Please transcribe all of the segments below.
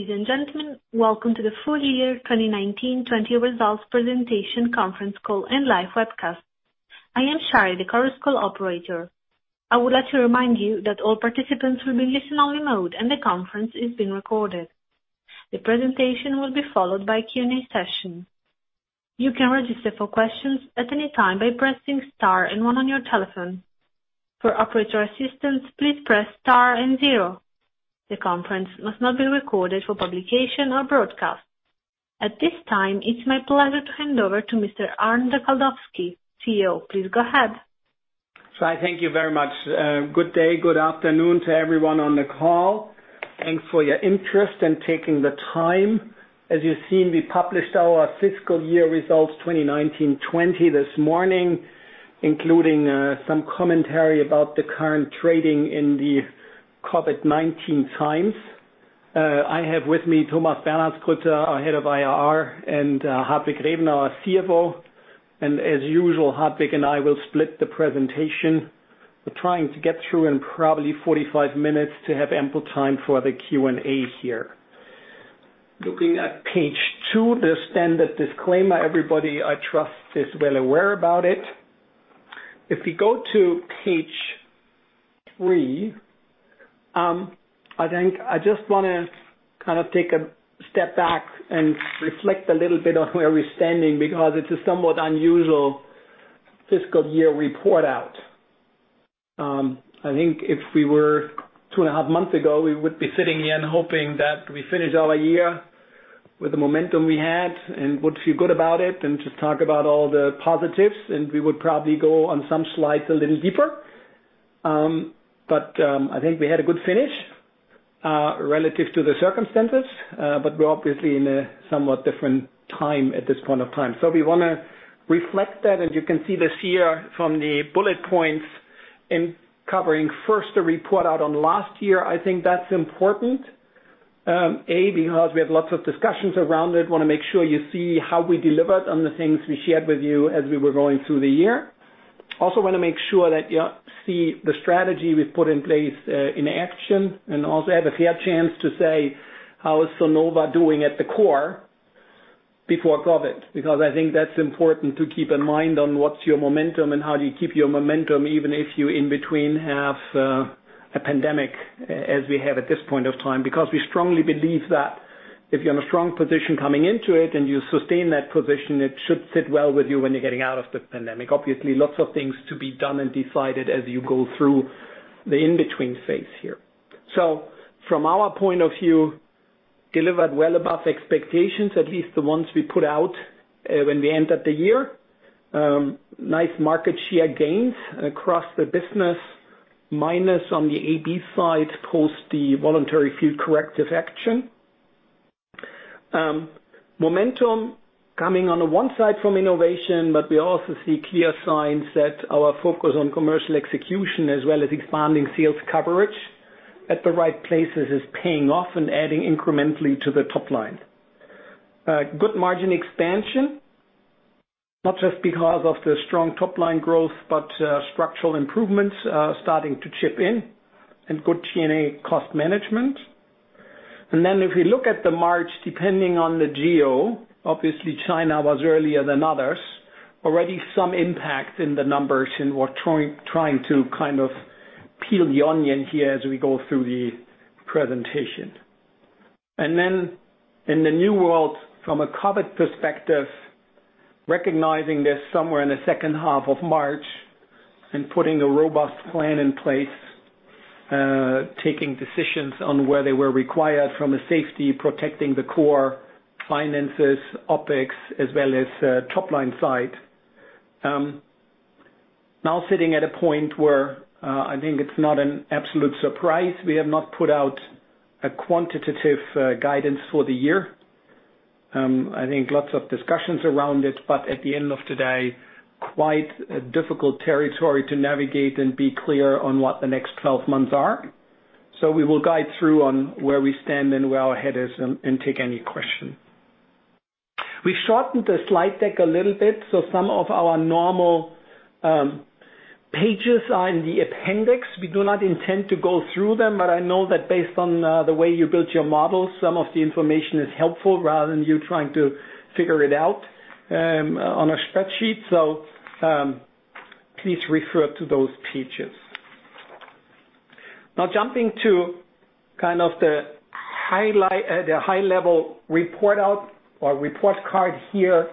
Ladies and gentlemen, welcome to the full year 2019/20 results presentation conference call and live webcast. I am Shari, the Chorus Call operator. I would like to remind you that all participants will be in listen-only mode and the conference is being recorded. The presentation will be followed by a Q&A session. You can register for questions at any time by pressing star and one on your telephone. For operator assistance, please press star and zero. The conference must not be recorded for publication or broadcast. At this time, it's my pleasure to hand over to Mr. Arnd Kaldowski, CEO. Please go ahead. Shari, thank you very much. Good day, good afternoon to everyone on the call. Thanks for your interest and taking the time. As you've seen, we published our fiscal year results 2019/20 this morning, including some commentary about the current trading in the COVID-19 times. I have with me Thomas Bernhardsgrütter, our head of IR, and Hartwig Grevener, our CFO, and as usual, Hartwig and I will split the presentation. We're trying to get through in probably 45 minutes to have ample time for the Q&A here. Looking at page two, the standard disclaimer, everybody I trust is well aware about it. If we go to page three, I think I just want to take a step back and reflect a little bit on where we're standing, because it's a somewhat unusual fiscal year report out. I think if we were two and a half months ago, we would be sitting here and hoping that we finish our year with the momentum we had and would feel good about it and just talk about all the positives, and we would probably go on some slides a little deeper. I think we had a good finish relative to the circumstances. We're obviously in a somewhat different time at this point of time. We want to reflect that, and you can see this here from the bullet points in covering first a report out on last year. I think that's important. A, because we have lots of discussions around it, want to make sure you see how we delivered on the things we shared with you as we were going through the year. Want to make sure that you see the strategy we put in place in action and also have a fair chance to say how is Sonova doing at the core before COVID. I think that's important to keep in mind on what's your momentum and how do you keep your momentum, even if you, in between, have a pandemic as we have at this point of time. We strongly believe that if you're in a strong position coming into it and you sustain that position, it should sit well with you when you're getting out of the pandemic. Lots of things to be done and decided as you go through the in-between phase here. From our point of view, delivered well above expectations, at least the ones we put out when we entered the year. Nice market share gains across the business, minus on the AB side, post the voluntary field corrective action. Momentum coming on the one side from innovation, but we also see clear signs that our focus on commercial execution as well as expanding sales coverage at the right places is paying off and adding incrementally to the top line. Good margin expansion, not just because of the strong top-line growth, but structural improvements are starting to chip in and good G&A cost management. If we look at the March, depending on the geo, obviously China was earlier than others. Already some impact in the numbers and we're trying to kind of peel the onion here as we go through the presentation. In the new world, from a COVID perspective, recognizing this somewhere in the second half of March and putting a robust plan in place, taking decisions on where they were required from a safety protecting the core finances, OpEx, as well as top-line side. Now sitting at a point where I think it's not an absolute surprise we have not put out a quantitative guidance for the year. I think lots of discussions around it, but at the end of today, quite a difficult territory to navigate and be clear on what the next 12 months are. We will guide through on where we stand and where our head is and take any question. We shortened the slide deck a little bit, some of our normal pages are in the appendix. We do not intend to go through them, but I know that based on the way you built your models, some of the information is helpful rather than you trying to figure it out on a spreadsheet. Please refer to those pages. Jumping to the high-level report out or report card here.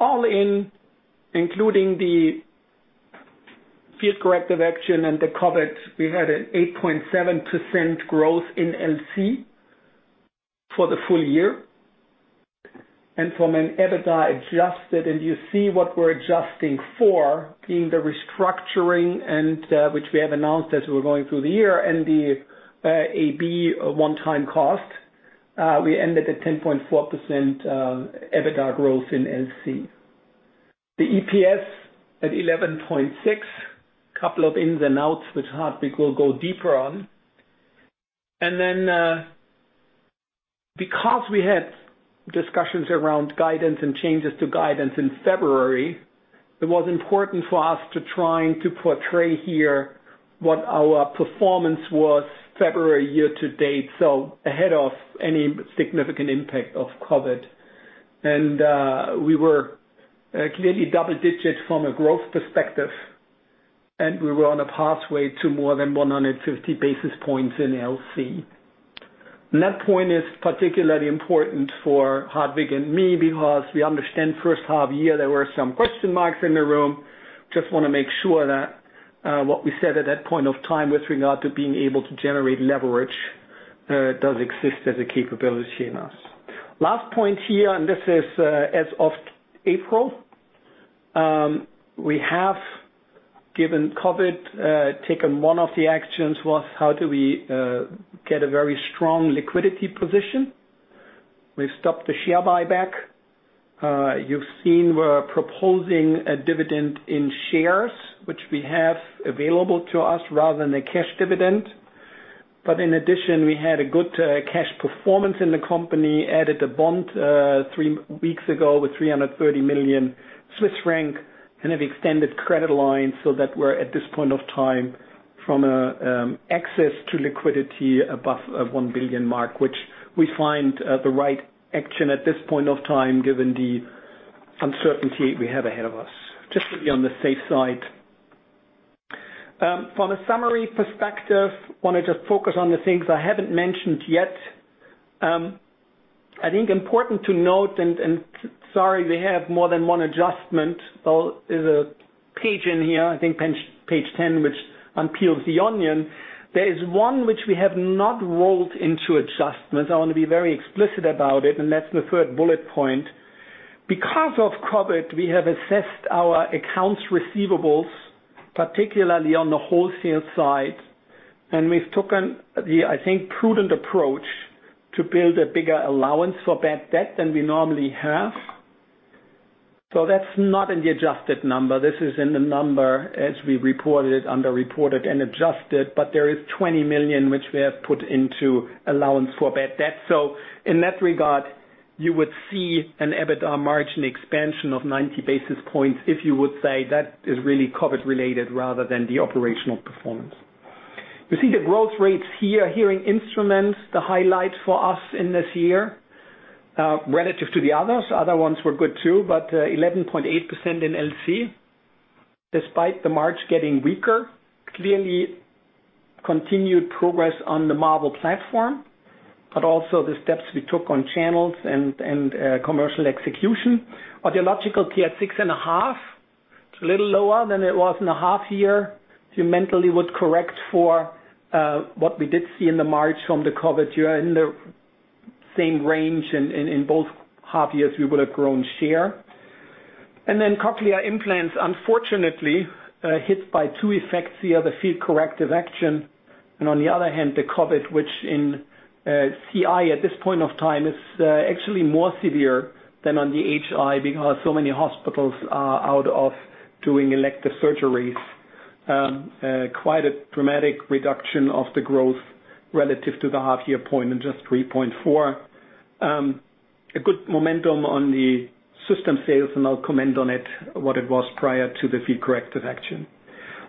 All in, including the field corrective action and the COVID, we had an 8.7% growth in LC for the full year. From an EBITDA adjusted, and you see what we're adjusting for being the restructuring which we have announced as we're going through the year and the AB one-time cost. We ended at 10.4% EBITDA growth in LC. The EPS at 11.6, couple of ins and outs which Hartwig will go deeper on. Because we had discussions around guidance and changes to guidance in February, it was important for us to try and portray here what our performance was February year-to-date, so ahead of any significant impact of COVID. We were clearly double digits from a growth perspective, and we were on a pathway to more than 150 basis points in LC. That point is particularly important for Hartwig and me, because we understand first half of the year, there were some question marks in the room. Just want to make sure that what we said at that point of time with regard to being able to generate leverage, does exist as a capability in us. Last point here, this is as of April. We have, given COVID, taken one of the actions was how do we get a very strong liquidity position. We've stopped the share buyback. You've seen we're proposing a dividend in shares, which we have available to us rather than a cash dividend. In addition, we had a good cash performance in the company, added a bond three weeks ago with 330 million Swiss franc, and have extended credit lines so that we're at this point of time from an access to liquidity above a 1 billion mark, which we find the right action at this point of time, given the uncertainty we have ahead of us, just to be on the safe side. From a summary perspective, I want to just focus on the things I haven't mentioned yet. I think important to note, sorry, we have more than one adjustment. There's a page in here, I think page 10, which unpeels the onion. There is one which we have not rolled into adjustments. I want to be very explicit about it, and that's the third bullet point. Because of COVID, we have assessed our accounts receivables, particularly on the wholesale side, and we've taken the, I think, prudent approach to build a bigger allowance for bad debt than we normally have. That's not in the adjusted number. This is in the number as we reported under reported and adjusted. There is 20 million which we have put into allowance for bad debt. In that regard, you would see an EBITDA margin expansion of 90 basis points if you would say that is really COVID-related rather than the operational performance. You see the growth rates here. Hearing Instruments, the highlight for us in this year. Relative to the others, other ones were good too, but 11.8% in LC, despite the March getting weaker. Clearly continued progress on the Marvel platform, also the steps we took on channels and commercial execution. Audiological at 6.5%, it's a little lower than it was in the half-year. If you mentally would correct for what we did see in the March from the COVID, you are in the same range in both half-years, we would have grown share. Cochlear Implants, unfortunately, hit by two effects here, the field corrective action, and on the other hand, the COVID, which in CI at this point of time is actually more severe than on the HI because so many hospitals are out of doing elective surgeries. Quite a dramatic reduction of the growth relative to the half-year point in just 3.4%. A good momentum on the system sales, and I'll comment on it what it was prior to the field corrective action.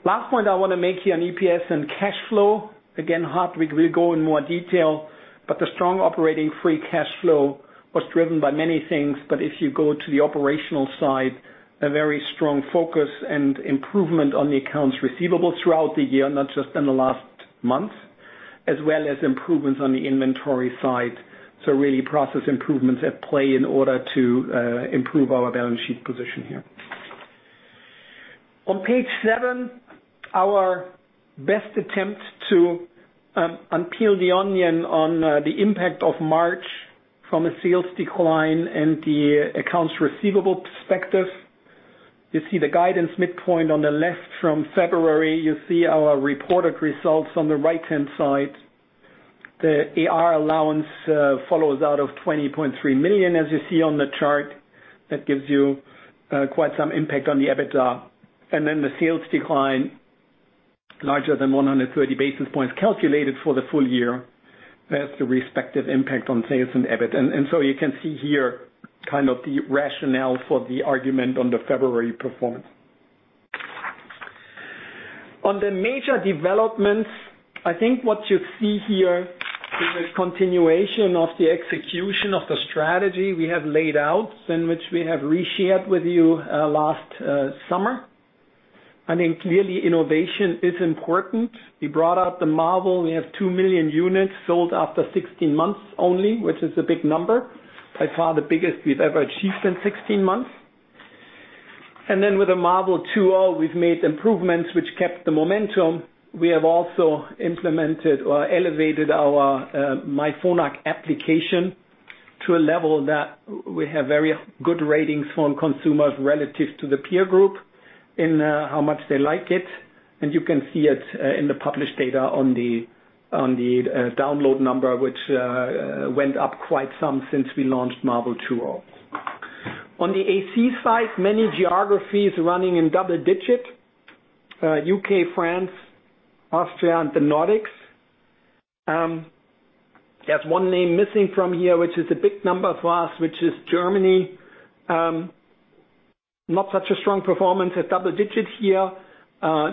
Last point I want to make here on EPS and cash flow. Hartwig will go in more detail, but the strong operating free cash flow was driven by many things, but if you go to the operational side, a very strong focus and improvement on the accounts receivable throughout the year, not just in the last month, as well as improvements on the inventory side. Really process improvements at play in order to improve our balance sheet position here. On page seven, our best attempt to unpeel the onion on the impact of March from a sales decline and the accounts receivable perspective. You see the guidance midpoint on the left from February. You see our reported results on the right-hand side. The AR allowance follows out of 20.3 million, as you see on the chart. That gives you quite some impact on the EBITDA. The sales decline larger than 130 basis points calculated for the full year has the respective impact on sales and EBIT. You can see here kind of the rationale for the argument on the February performance. On the major developments, I think what you see here is a continuation of the execution of the strategy we have laid out and which we have re-shared with you last summer. I think clearly innovation is important. We brought out the Marvel. We have two million units sold after 16 months only, which is a big number, by far the biggest we've ever achieved in 16 months. With the Marvel 2.0, we've made improvements which kept the momentum. We have also implemented or elevated our myPhonak application to a level that we have very good ratings from consumers relative to the peer group in how much they like it. You can see it in the published data on the download number, which went up quite some since we launched Marvel 2.0. On the AC side, many geographies running in double digits. U.K., France, Austria, and the Nordics. There's one name missing from here, which is a big number for us, which is Germany. Not such a strong performance at double digits here,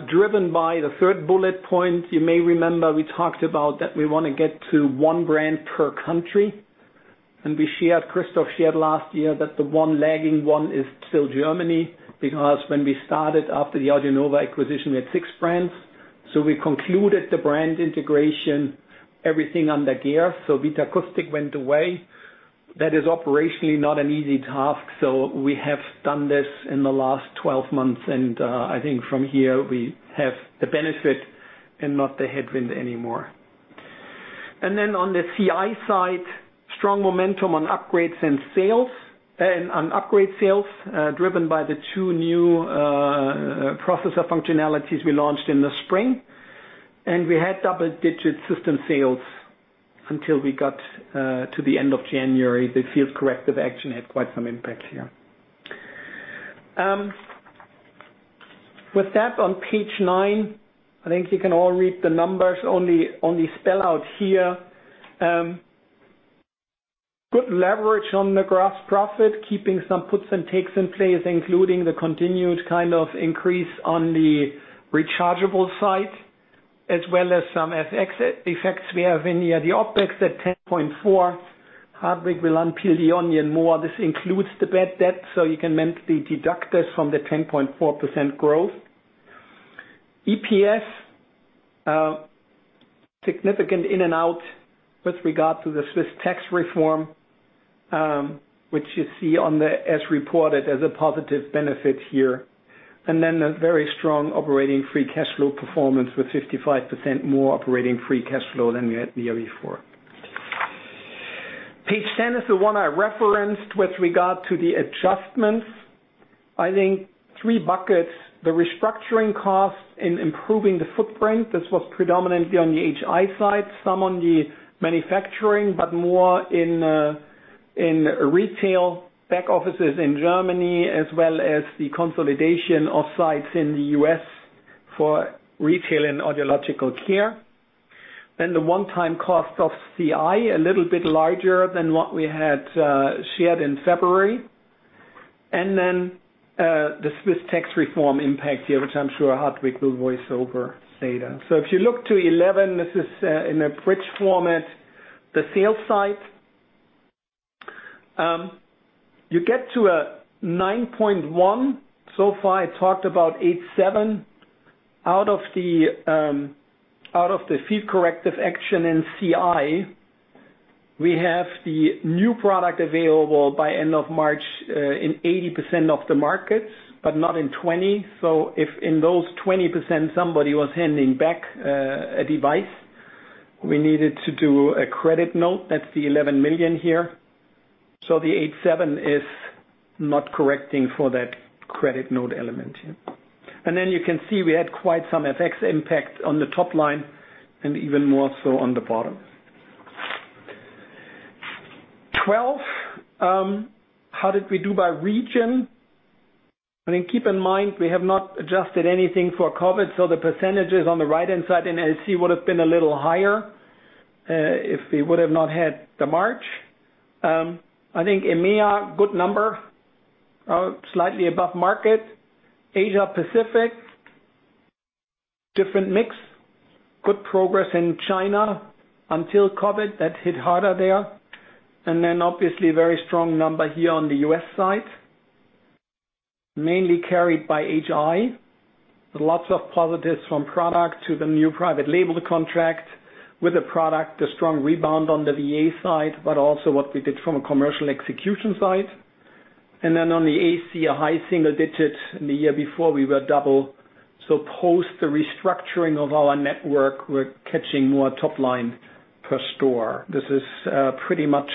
driven by the third bullet point. You may remember we talked about that we want to get to one brand per country. Christoph shared last year that the one lagging one is still Germany. Because when we started after the AudioNova acquisition, we had six brands. We concluded the brand integration, everything under Geers. Vitakustik went away. That is operationally not an easy task, we have done this in the last 12 months, I think from here we have the benefit and not the headwind anymore. On the CI side, strong momentum on upgrades and sales, on upgrade sales, driven by the two new processor functionalities we launched in the spring. We had double-digit system sales until we got to the end of January. The field corrective action had quite some impact here. With that, on page nine, I think you can all read the numbers, only spell out here. Good leverage on the gross profit, keeping some puts and takes in place, including the continued increase on the rechargeable side, as well as some FX effects we have in here. The OpEx at 10.4, Hartwig will unpeel the onion more. This includes the bad debt, so you can mentally deduct this from the 10.4% growth. EPS, significant in and out with regard to the Swiss tax reform, which you see as reported as a positive benefit here. A very strong operating free cash flow performance with 55% more operating free cash flow than we had the year before. Page 10 is the one I referenced with regard to the adjustments. I think three buckets, the restructuring cost in improving the footprint. This was predominantly on the HI side, some on the manufacturing, but more in retail back offices in Germany, as well as the consolidation of sites in the U.S. for retail and audiological care. The one-time cost of CI, a little bit larger than what we had shared in February. The Swiss tax reform impact here, which I'm sure Hartwig will voice over later. If you look to 11, this is in a bridge format. The sales side. You get to a 9.1. So far, I talked about 8.7. Out of the field corrective action in CI, we have the new product available by end of March in 80% of the markets, but not in 20. If in those 20% somebody was handing back a device, we needed to do a credit note. That's the 11 million here. The 8.7 is not correcting for that credit note element here. You can see we had quite some FX impact on the top line, and even more so on the bottom. 12, how did we do by region? I think keep in mind, we have not adjusted anything for COVID, so the percentages on the right-hand side in AC would have been a little higher, if we would have not had the March. I think EMEA, good number. Slightly above market. Asia Pacific, different mix. Good progress in China until COVID. That hit harder there. Obviously a very strong number here on the U.S. side, mainly carried by HI. Lots of positives from product to the new private label contract with the product, the strong rebound on the VA side, but also what we did from a commercial execution side. On the AC, a high single digit. In the year before, we were double. Post the restructuring of our network, we're catching more top line per store. This is pretty much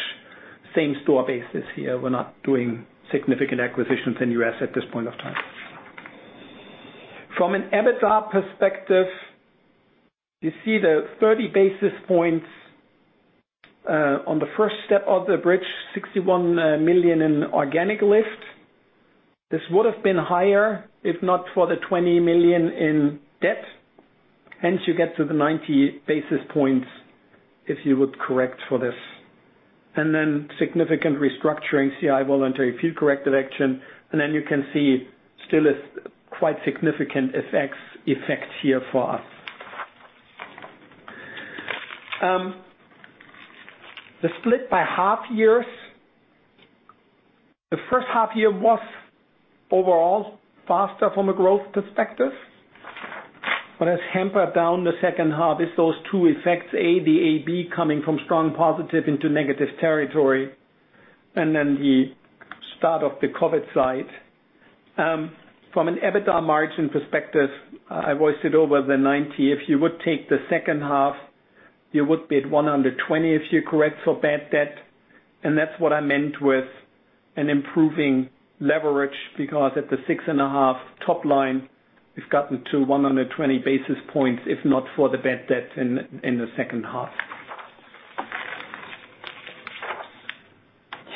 same-store basis here. We're not doing significant acquisitions in U.S. at this point of time. From an EBITDA perspective, you see the 30 basis points on the first step of the bridge, 61 million in organic lift. This would have been higher if not for the 20 million in debt, hence you get to the 90 basis points if you would correct for this. Then significant restructuring, CI voluntary field corrective action, then you can see still a quite significant FX effect here for us. The split by half years. The first half year was overall faster from a growth perspective. What has hampered down the second half is those two effects, A, the AB coming from strong positive into negative territory, then the start of the COVID side. From an EBITDA margin perspective, I voiced it over the 90 basis points. If you would take the second half, you would be at 120 if you correct for bad debt. That's what I meant with an improving leverage, because at the 6.5% top line, we've gotten to 120 basis points, if not for the bad debt in the second half.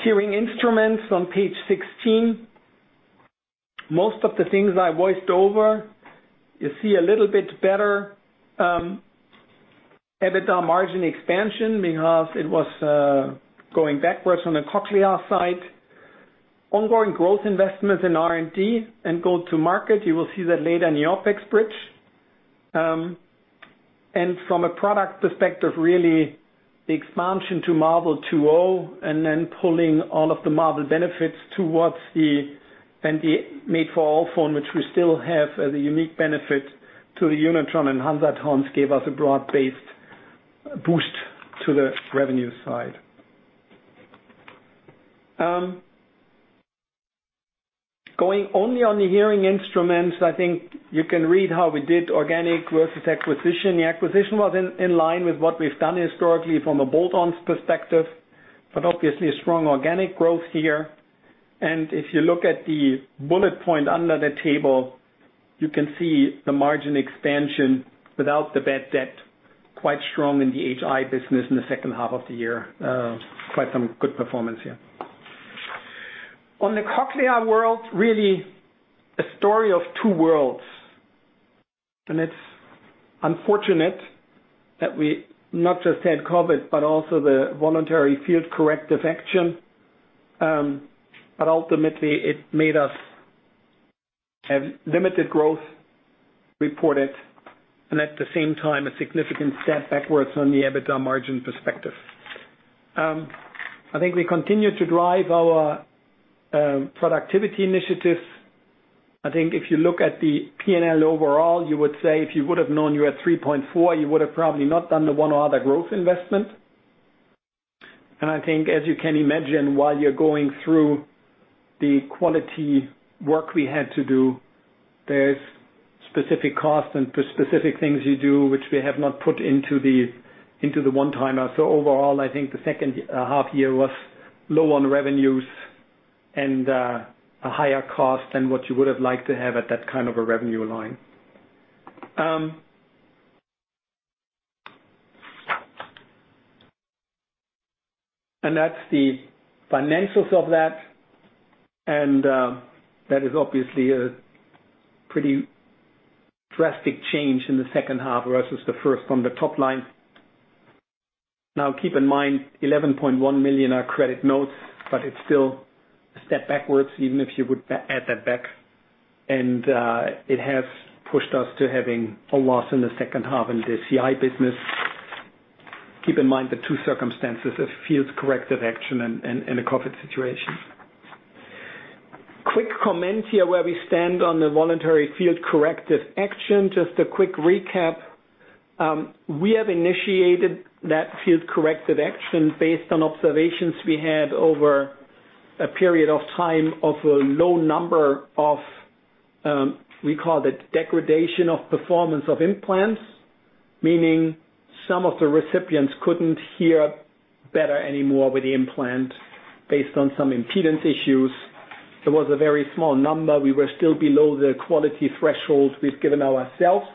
Hearing instruments on page 16. Most of the things I voiced over, you see a little bit better EBITDA margin expansion because it was going backwards on the Cochlear side. Ongoing growth investments in R&D and go to market, you will see that later in the OpEx bridge. From a product perspective, really the expansion to Marvel 2.0 and then pulling all of the Marvel benefits towards the Made for iPhone, which we still have as a unique benefit to the Unitron and Hansaton gave us a broad-based boost to the revenue side. Going only on the hearing instruments, I think you can read how we did organic versus acquisition. The acquisition was in line with what we've done historically from a bolt-ons perspective, but obviously a strong organic growth here. If you look at the bullet point under the table, you can see the margin expansion without the bad debt, quite strong in the HI business in the second half of the year. Quite some good performance here. On the Cochlear world, really a story of two worlds, and it's unfortunate that we not just had COVID, but also the voluntary field corrective action. Ultimately it made us have limited growth reported and at the same time, a significant step backwards from the EBITDA margin perspective. I think we continue to drive our productivity initiatives. I think if you look at the P&L overall, you would say if you would've known you had 3.4, you would've probably not done the one other growth investment. I think as you can imagine, while you're going through the quality work we had to do, there's specific costs and specific things you do, which we have not put into the one-timer. Overall, I think the second half year was low on revenues and a higher cost than what you would've liked to have at that kind of a revenue line. That's the financials of that, and that is obviously a pretty drastic change in the second half versus the first on the top line. Keep in mind, 11.1 million are credit notes, it's still a step backwards even if you would add that back and it has pushed us to having a loss in the second half in the CI business. Keep in mind the two circumstances of field corrective action and the COVID situation. Quick comment here where we stand on the voluntary field corrective action. Just a quick recap. We have initiated that field corrective action based on observations we had over a period of time of a low number of degradation of performance of implants, meaning some of the recipients couldn't hear better anymore with the implant based on some impedance issues. It was a very small number. We were still below the quality threshold we've given ourselves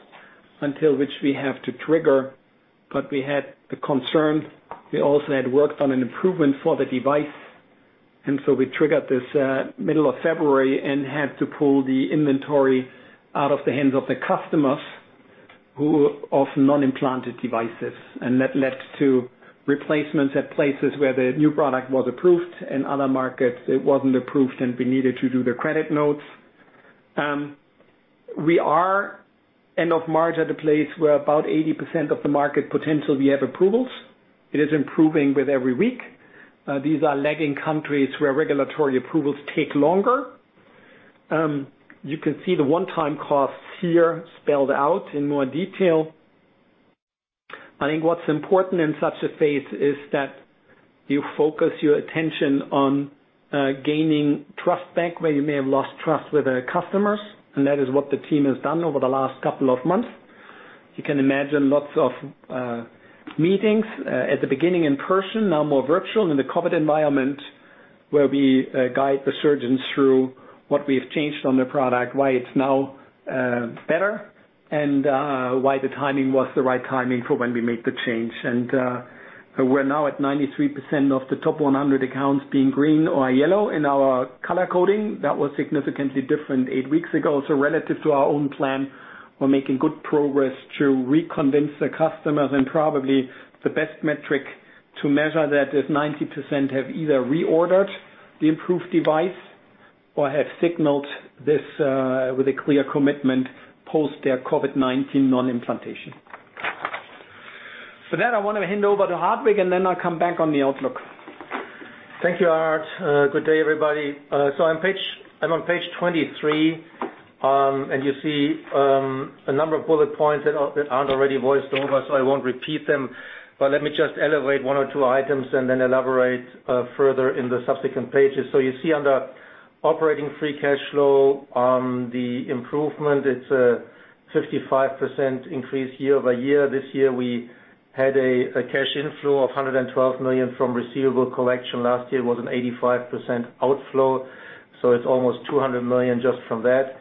until which we have to trigger, we had the concern. We also had worked on an improvement for the device, and so we triggered this middle of February and had to pull the inventory out of the hands of the customers who of non-implanted devices. That led to replacements at places where the new product was approved. In other markets, it wasn't approved, and we needed to do the credit notes. We are end of March at a place where about 80% of the market potential, we have approvals. It is improving with every week. These are lagging countries where regulatory approvals take longer. You can see the one-time costs here spelled out in more detail. I think what's important in such a phase is that you focus your attention on gaining trust back where you may have lost trust with our customers, and that is what the team has done over the last couple of months. You can imagine lots of meetings, at the beginning in person, now more virtual in the COVID environment, where we guide the surgeons through what we've changed on the product, why it's now better, and why the timing was the right timing for when we made the change. We're now at 93% of the top 100 accounts being green or yellow in our color coding. That was significantly different eight weeks ago. Relative to our own plan, we're making good progress to reconvince the customers and probably the best metric to measure that is 90% have either reordered the improved device or have signaled this with a clear commitment post their COVID-19 non-implantation. For that, I want to hand over to Hartwig and then I'll come back on the outlook. Thank you, Arnd. Good day, everybody. I'm on page 23, and you see a number of bullet points that aren't already voiced over, I won't repeat them, but let me just elevate one or two items and then elaborate further in the subsequent pages. You see under operating free cash flow, the improvement, it's a 55% increase year-over-year. This year we had a cash inflow of 112 million from receivable collection. Last year was an 85% outflow. It's almost 200 million just from that,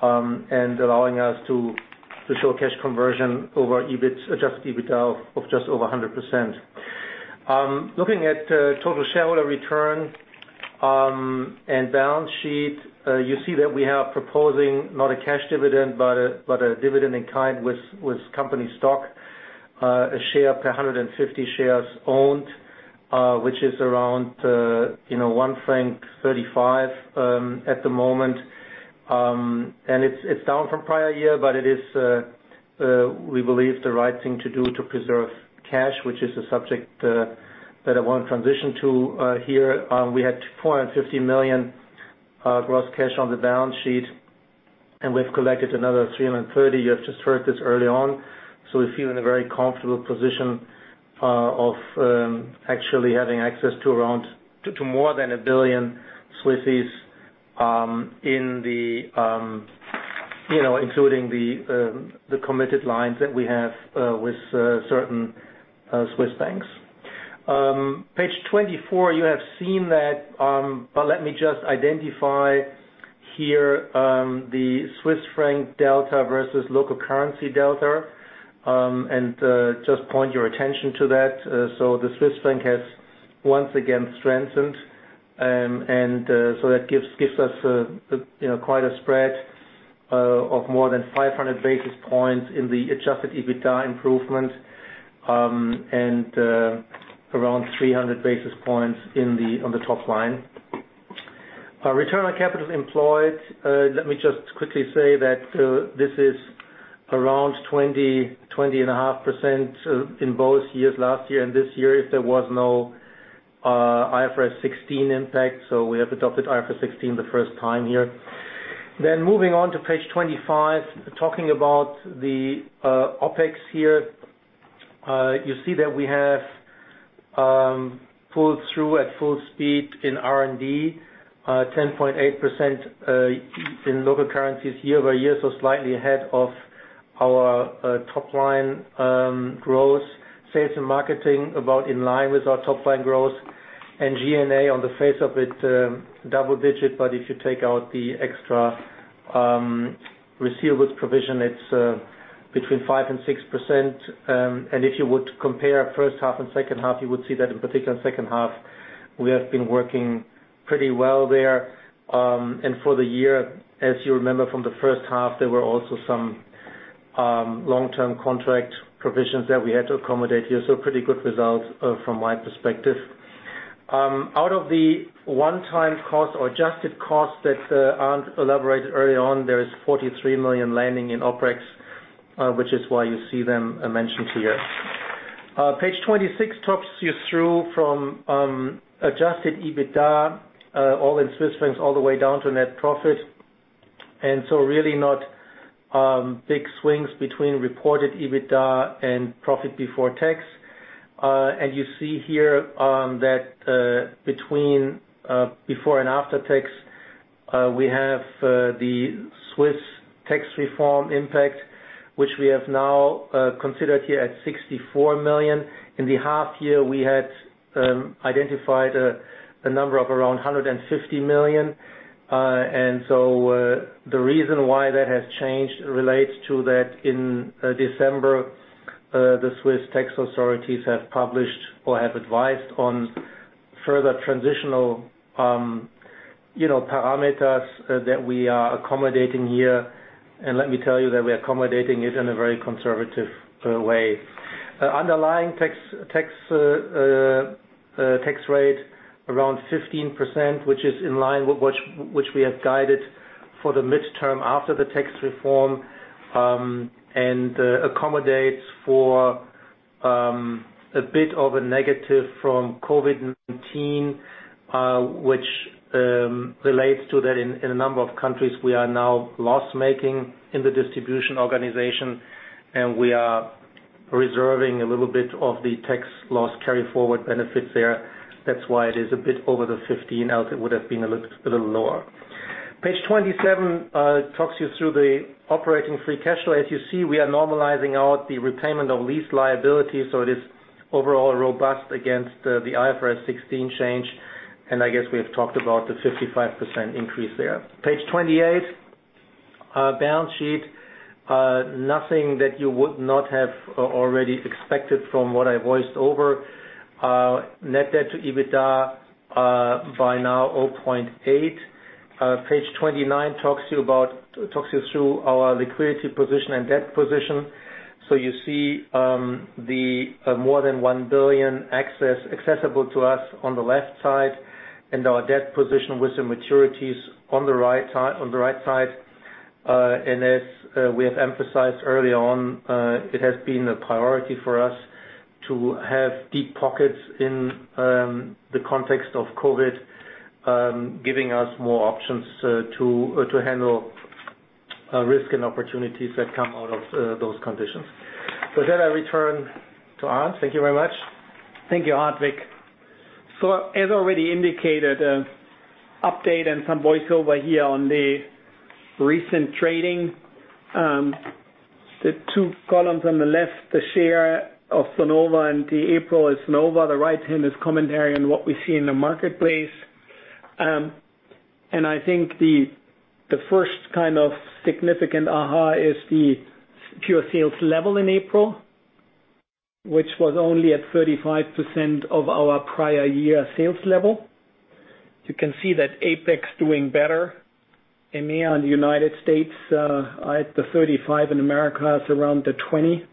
and allowing us to show cash conversion over adjusted EBITDA of just over 100%. Looking at total shareholder return and balance sheet, you see that we are proposing not a cash dividend, but a dividend in kind with company stock. A share per 150 shares owned, which is around 1.35 franc at the moment. It's down from prior year, but it is, we believe, the right thing to do to preserve cash, which is a subject that I want to transition to here. We had 250 million gross cash on the balance sheet, and we've collected another 330 million. You have just heard this early on. We feel in a very comfortable position of actually having access to more than 1 billion, including the committed lines that we have with certain Swiss banks. Page 24, you have seen that, but let me just identify here the Swiss franc delta versus local currency delta, and just point your attention to that. That gives us quite a spread of more than 500 basis points in the adjusted EBITDA improvement and around 300 basis points on the top line. Return on capital employed. Let me just quickly say that this is around 20.5% in both years, last year and this year, if there was no IFRS 16 impact. We have adopted IFRS 16 the first time here. Moving on to page 25, talking about the OpEx here. You see that we have pulled through at full speed in R&D, 10.8% in local currencies year-over-year, slightly ahead of our top-line growth. Sales and marketing about in line with our top-line growth. G&A on the face of it, double digit, but if you take out the extra receivables provision, it's between 5% and 6%. If you were to compare first half and second half, you would see that in particular in second half, we have been working pretty well there. For the year, as you remember from the first half, there were also some long-term contract provisions that we had to accommodate here. Pretty good results from my perspective. Out of the one-time costs or adjusted costs that aren't elaborated early on, there is 43 million landing in OpEx, which is why you see them mentioned here. Page 26 talks you through from adjusted EBITDA, all in CHF, all the way down to net profit. Really not big swings between reported EBITDA and profit before tax. You see here that between before and after tax, we have the Swiss tax reform impact, which we have now considered here at 64 million. In the half year, we had identified a number of around 150 million. The reason why that has changed relates to that in December, the Swiss tax authorities have published or have advised on further transitional parameters that we are accommodating here. Let me tell you that we are accommodating it in a very conservative way. Underlying tax rate around 15%, which is in line with which we have guided for the midterm after the tax reform, and accommodates for a bit of a negative from COVID-19, which relates to that in a number of countries, we are now loss-making in the distribution organization, and we are reserving a little bit of the tax loss carry forward benefits there. That's why it is a bit over the 15, as it would have been a little lower. Page 27 talks you through the operating free cash flow. As you see, we are normalizing out the repayment of lease liability. It is overall robust against the IFRS 16 change. I guess we have talked about the 55% increase there. Page 28. Balance sheet. Nothing that you would not have already expected from what I voiced over. Net debt to EBITDA by now, 0.8. Page 29 talks you through our liquidity position and debt position. You see the more than 1 billion accessible to us on the left side, and our debt position with the maturities on the right side. As we have emphasized early on, it has been a priority for us to have deep pockets in the context of COVID, giving us more options to handle risk and opportunities that come out of those conditions. With that I return to Arnd. Thank you very much. Thank you, Hartwig. As already indicated, update and some voice over here on the recent trading. The two colums on the left [the share of Sonova in the April is so-on-so]The right-hand is commentary on what we see in the marketplace. I think the first kind of significant aha is the pure sales level in April, which was only at 35% of our prior year sales level. You can see that APAC doing better. EMEA and United States, the 35 in America is around the 20.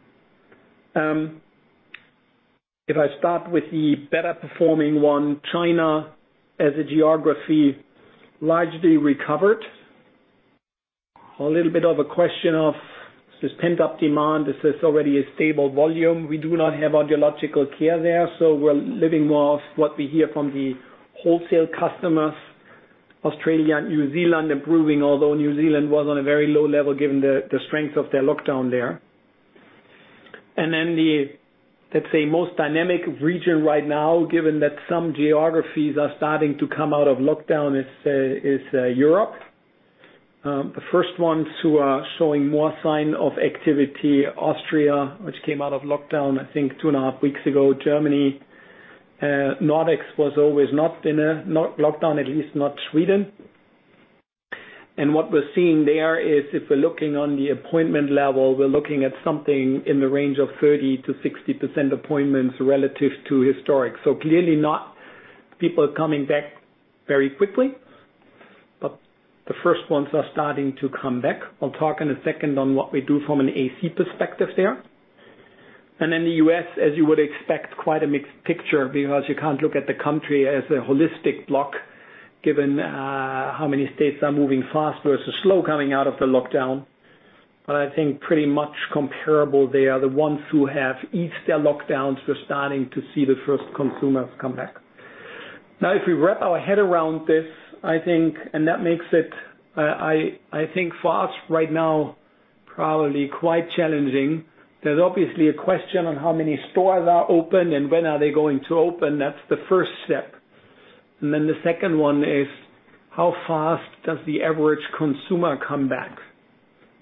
If I start with the better performing one, China as a geography largely recovered. A little bit of a question of is this pent-up demand? Is this already a stable volume? We do not have Audiological Care there, so we're living more of what we hear from the wholesale customers. Australia and New Zealand improving, although New Zealand was on a very low level given the strength of their lockdown there. The, let's say, most dynamic region right now, given that some geographies are starting to come out of lockdown, is Europe. The first ones who are showing more sign of activity, Austria, which came out of lockdown, I think, two and a half weeks ago. Germany. Nordics was always not in a lockdown, at least not Sweden. What we're seeing there is if we're looking on the appointment level, we're looking at something in the range of 30%-60% appointments relative to historic. Clearly not people coming back very quickly, but the first ones are starting to come back. I'll talk in a second on what we do from an AC perspective there. In the U.S., as you would expect, quite a mixed picture because you can't look at the country as a holistic block given how many states are moving fast versus slow coming out of the lockdown. I think pretty much comparable there. The ones who have eased their lockdowns, we're starting to see the first consumers come back. If we wrap our head around this, that makes it, I think for us right now, probably quite challenging. There's obviously a question on how many stores are open and when are they going to open. That's the first step. Then the second one is how fast does the average consumer come back?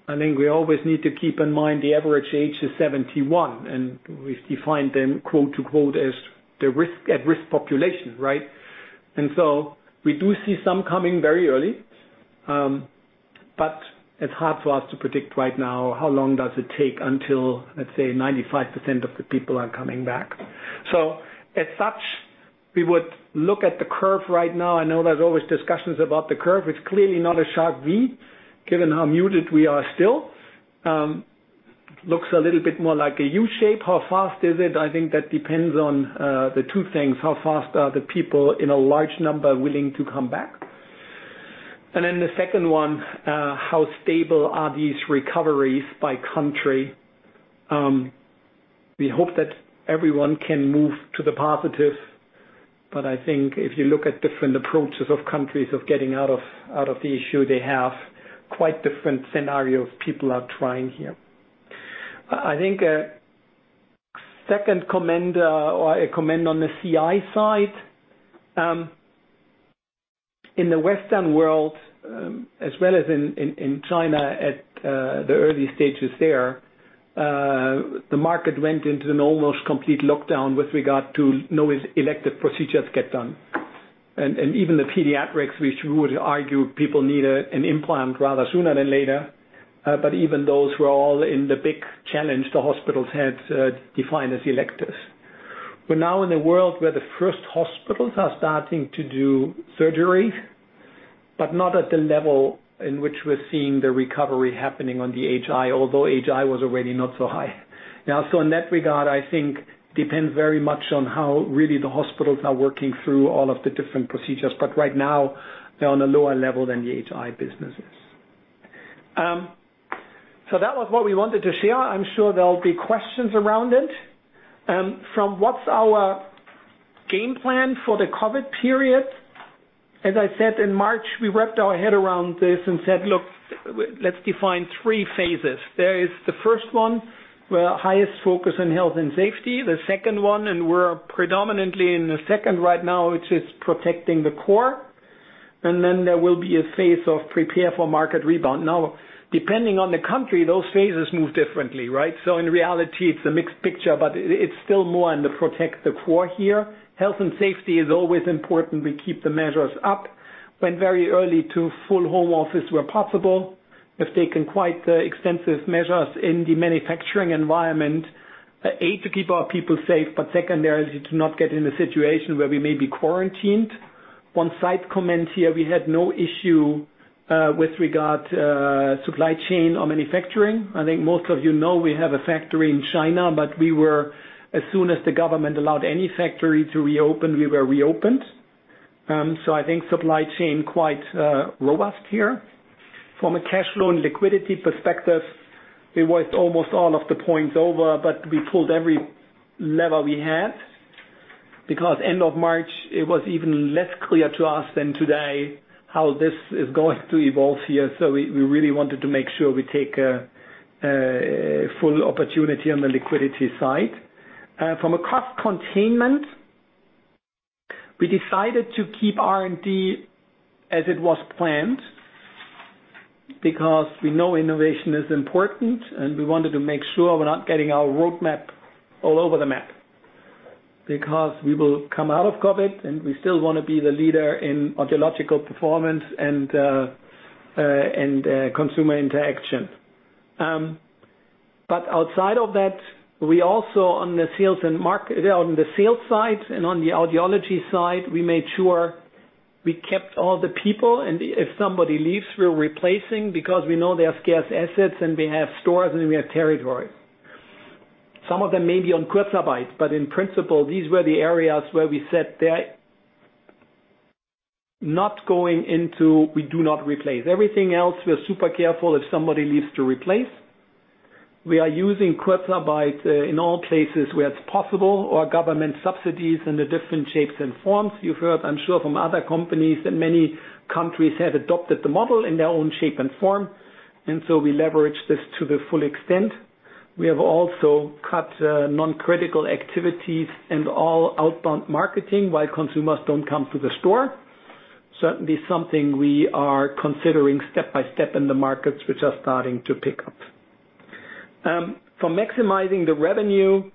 I think we always need to keep in mind the average age is 71, we've defined them quote unquote, "As the at-risk population," right? We do see some coming very early. It's hard for us to predict right now how long does it take until, let's say, 95% of the people are coming back. As such, we would look at the curve right now. I know there's always discussions about the curve. It's clearly not a sharp V, given how muted we are still. Looks a little bit more like a U-shape. How fast is it? I think that depends on the two things. How fast are the people in a large number willing to come back? Then the second one, how stable are these recoveries by country? We hope that everyone can move to the positive, I think if you look at different approaches of countries of getting out of the issue they have, quite different scenarios people are trying here. I think a second comment on the CI side. In the Western world, as well as in China at the early stages there, the market went into an almost complete lockdown with regard to no elective procedures get done. Even the pediatrics, which we would argue people need an implant rather sooner than later, but even those were all in the big challenge the hospitals had defined as electives. We're now in a world where the first hospitals are starting to do surgery, but not at the level in which we're seeing the recovery happening on the HI, although HI was already not so high. In that regard, I think depends very much on how really the hospitals are working through all of the different procedures. Right now, they're on a lower level than the HI business is. That was what we wanted to share. I'm sure there'll be questions around it. From what's our game plan for the COVID period, as I said, in March, we wrapped our head around this and said, "Look, let's define three phases." There is the first one, where highest focus on health and safety. The second one, we're predominantly in the second right now, which is protecting the core. There will be a phase of prepare for market rebound. Now, depending on the country, those phases move differently, right? In reality, it's a mixed picture, but it's still more on the protect the core here. Health and safety is always important. We keep the measures up. We went very early to full home office where possible. We have taken quite extensive measures in the manufacturing environment. A, to keep our people safe, but secondarily, to not get in a situation where we may be quarantined. One side comment here, we had no issue with regard to supply chain or manufacturing. I think most of you know we have a factory in China, but as soon as the government allowed any factory to reopen, we were reopened. I think supply chain quite robust here. From a cash flow and liquidity perspective, we went almost all of the points over, but we pulled every lever we had. End of March, it was even less clear to us than today how this is going to evolve here. We really wanted to make sure we take a full opportunity on the liquidity side. We decided to keep R&D as it was planned because we know innovation is important, and we wanted to make sure we're not getting our roadmap all over the map, because we will come out of COVID, and we still want to be the leader in audiological performance and consumer interaction. Outside of that, we also, on the sales side and on the audiology side, we made sure we kept all the people, and if somebody leaves, we're replacing because we know they are scarce assets, and we have stores, and we have territory. Some of them may be on Kurzarbeit, in principle, these were the areas where we said they're not going into, we do not replace. Everything else, we're super careful if somebody leaves to replace. We are using Kurzarbeit in all places where it's possible, or government subsidies in the different shapes and forms. You've heard, I'm sure, from other companies that many countries have adopted the model in their own shape and form. We leverage this to the full extent. We have also cut non-critical activities and all outbound marketing while consumers don't come to the store. Certainly, something we are considering step by step in the markets which are starting to pick up. For maximizing the revenue,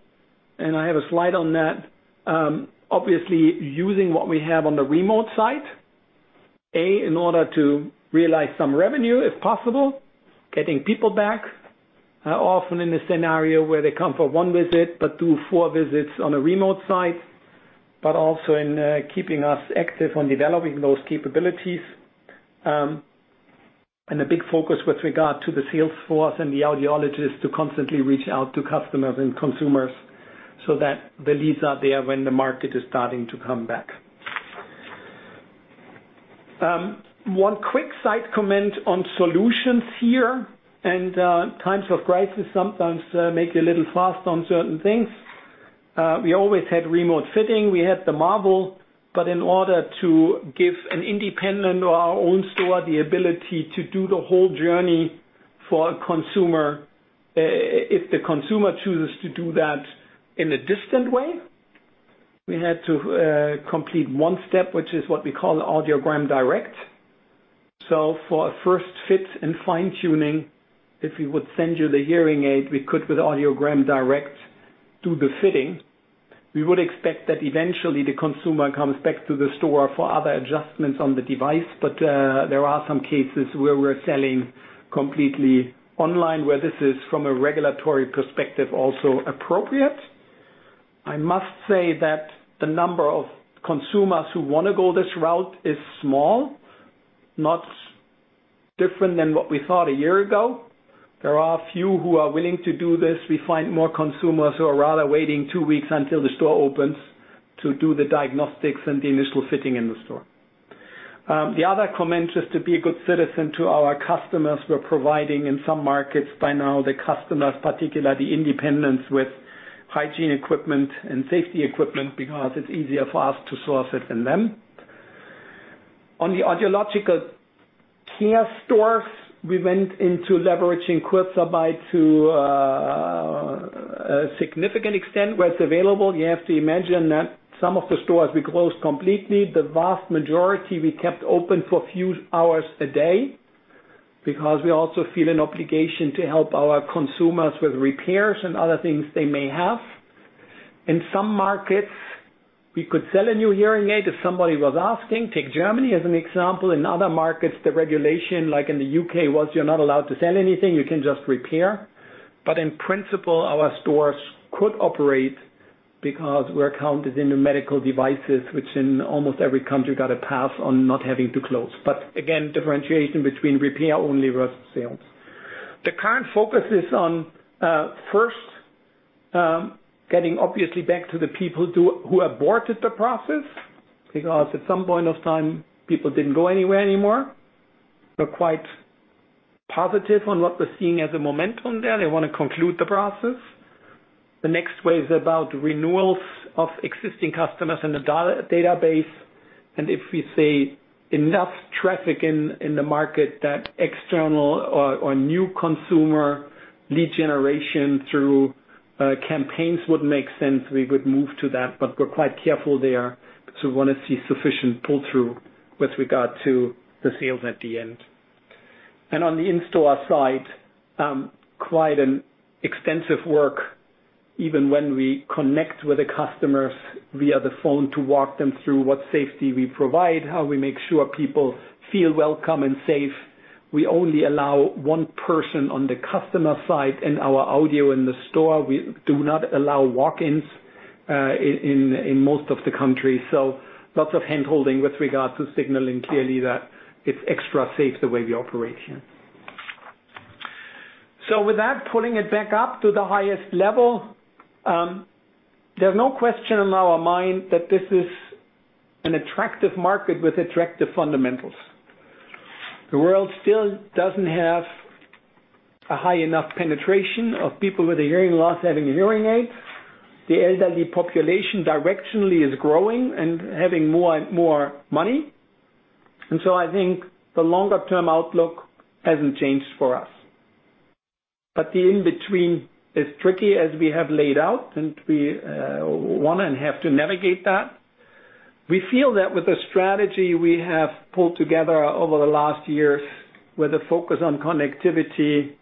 and I have a slide on that, obviously, using what we have on the remote site. In order to realize some revenue, if possible, getting people back, often in a scenario where they come for one visit but do four visits on a remote site, but also in keeping us active on developing those capabilities. A big focus with regard to the sales force and the audiologists to constantly reach out to customers and consumers so that the leads are there when the market is starting to come back. One quick side comment on solutions here, and times of crisis sometimes make you a little fast on certain things. We always had remote fitting. We had the Marvel, but in order to give an independent or our own store the ability to do the whole journey for a consumer, if the consumer chooses to do that in a distant way, we had to complete one step, which is what we call Audiogram Direct. For a first fit and fine-tuning, if we would send you the hearing aid, we could, with Audiogram Direct, do the fitting. We would expect that eventually the consumer comes back to the store for other adjustments on the device. There are some cases where we're selling completely online, where this is from a regulatory perspective also appropriate. I must say that the number of consumers who want to go this route is small, not different than what we thought a year ago. There are a few who are willing to do this. We find more consumers who are rather waiting two weeks until the store opens to do the diagnostics and the initial fitting in the store. The other comment is to be a good citizen to our customers. We're providing in some markets by now the customers, particularly the independents with hygiene equipment and safety equipment because it's easier for us to source it than them. On the audiological care stores, we went into leveraging Kurzarbeit to a significant extent where it's available. You have to imagine that some of the stores we closed completely. The vast majority we kept open for a few hours a day because we also feel an obligation to help our consumers with repairs and other things they may have. In some markets, we could sell a new hearing aid if somebody was asking. Take Germany as an example. In other markets, the regulation, like in the U.K., was you're not allowed to sell anything. You can just repair. In principle, our stores could operate because we're counted in the medical devices, which in almost every country got a pass on not having to close. Again, differentiation between repair only versus sales. The current focus is on first getting obviously back to the people who aborted the process, because at some point of time, people didn't go anywhere anymore. We're quite positive on what we're seeing as a momentum there. They want to conclude the process. The next wave's about renewals of existing customers in the database. If we see enough traffic in the market that external or new consumer lead generation through campaigns would make sense, we would move to that. We're quite careful there because we want to see sufficient pull-through with regard to the sales at the end. On the in-store side, quite an extensive work even when we connect with the customers via the phone to walk them through what safety we provide, how we make sure people feel welcome and safe. We only allow one person on the customer side in our audio in the store. We do not allow walk-ins in most of the countries. Lots of handholding with regards to signaling clearly that it's extra safe the way we operate here. With that, pulling it back up to the highest level. There's no question in our mind that this is an attractive market with attractive fundamentals. The world still doesn't have a high enough penetration of people with a hearing loss having a hearing aid. The elderly population directionally is growing and having more and more money. I think the longer-term outlook hasn't changed for us. The in-between is tricky as we have laid out, and we want and have to navigate that. We feel that with the strategy we have pulled together over the last years, with a focus on connectivity,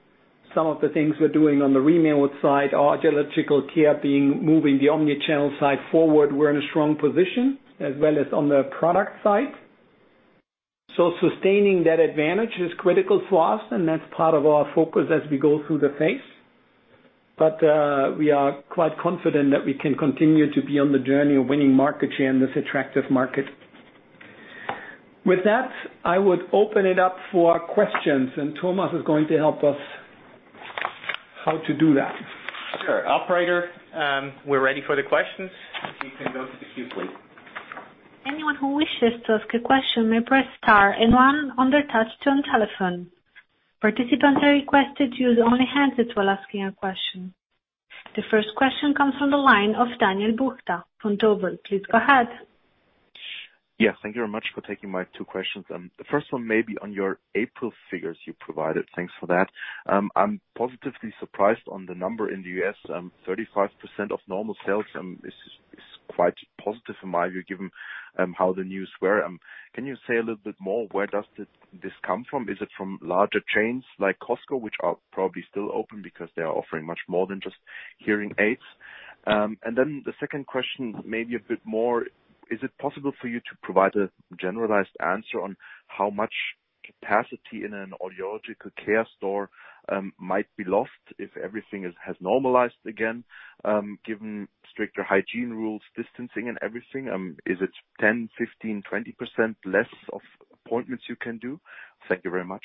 some of the things we're doing on the remote side, audiological care, moving the omnichannel side forward, we're in a strong position, as well as on the product side. Sustaining that advantage is critical for us, and that's part of our focus as we go through the phase. We are quite confident that we can continue to be on the journey of winning market share in this attractive market. With that, I would open it up for questions, and Thomas is going to help us how to do that. Sure. Operator, we're ready for the questions. If you can go to the queue, please. Anyone who wishes to ask a question may press star and one on their touch-tone telephone. Participants are requested to use only hands while asking a question. The first question comes from the line of Daniel Buchta from Zürcher Kantonalbank. Please go ahead. Yeah. Thank you very much for taking my two questions. The first one may be on your April figures you provided. Thanks for that. I'm positively surprised on the number in the U.S., 35% of normal sales is quite positive in my view, given how the news were. Can you say a little bit more, where does this come from? Is it from larger chains like Costco, which are probably still open because they are offering much more than just hearing aids? The second question may be a bit more, is it possible for you to provide a generalized answer on how much capacity in an audiological care store might be lost if everything has normalized again, given stricter hygiene rules, distancing and everything? Is it 10%, 15%, 20% less of appointments you can do? Thank you very much.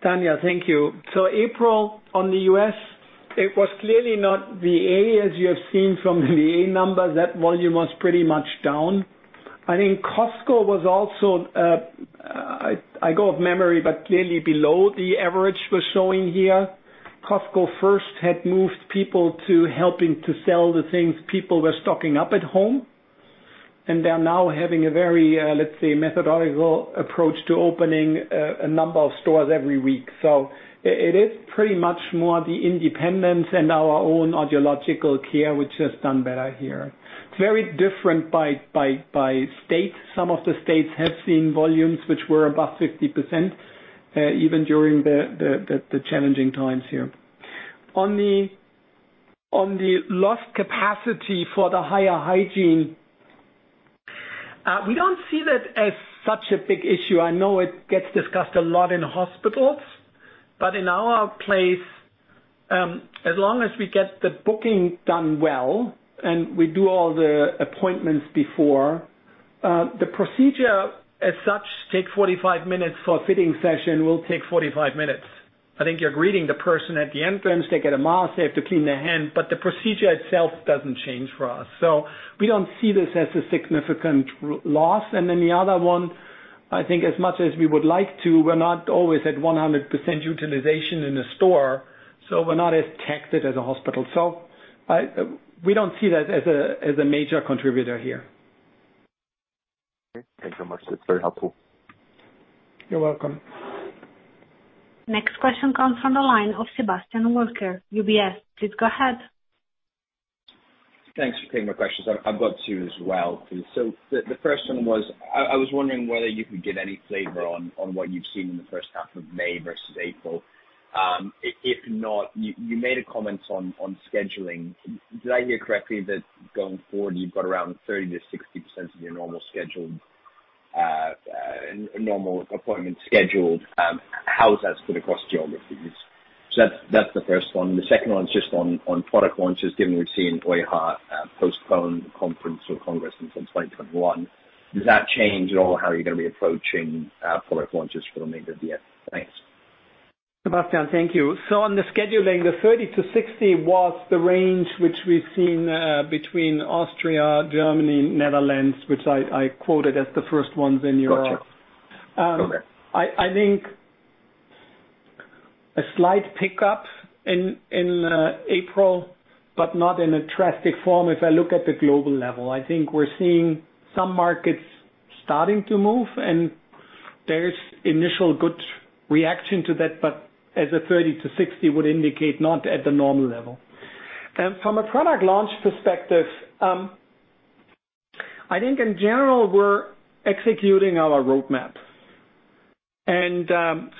Daniel, thank you. April on the U.S., it was clearly not the A, as you have seen from the AC numbers, that volume was pretty much down. I think Costco was also, I go off memory, but clearly below the average we're showing here. Costco first had moved people to helping to sell the things people were stocking up at home, and they are now having a very, let's say, methodological approach to opening a number of stores every week. It is pretty much more the independents and our own audiological care which has done better here. It's very different by state. Some of the states have seen volumes which were above 50%, even during the challenging times here. On the lost capacity for the higher hygiene, we don't see that as such a big issue. I know it gets discussed a lot in hospitals, in our place, as long as we get the booking done well and we do all the appointments before, the procedure as such takes 45 minutes for a fitting session, will take 45 minutes. I think you're greeting the person at the entrance. They get a mask, they have to clean their hands. The procedure itself doesn't change for us. We don't see this as a significant loss. The other one, I think as much as we would like to, we're not always at 100% utilization in a store, we're not as taxed as a hospital. We don't see that as a major contributor here. Okay. Thank you so much. That's very helpful. You're welcome. Next question comes from the line of Sebastian Walker, UBS. Please go ahead. Thanks for taking my questions. I've got two as well. The first one was, I was wondering whether you could give any flavor on what you've seen in the first half of May versus April. If not, you made a comment on scheduling. Did I hear correctly that going forward, you've got around 30% to 60% of your normal appointments scheduled? How is that split across geographies? That's the first one. The second one is just on product launches, given we've seen EUHA postpone the conference or congress until 2021. Does that change at all how you're going to be approaching product launches for the remainder of the year? Thanks. Sebastian, thank you. On the scheduling, the 30 to 60 was the range which we've seen between Austria, Germany, Netherlands, which I quoted as the first ones in Europe. Got you. Okay. I think a slight pickup in April, but not in a drastic form, if I look at the global level. I think we're seeing some markets starting to move. There's initial good reaction to that, but as the 30%-60% would indicate, not at the normal level. From a product launch perspective, I think in general, we're executing our roadmap. We have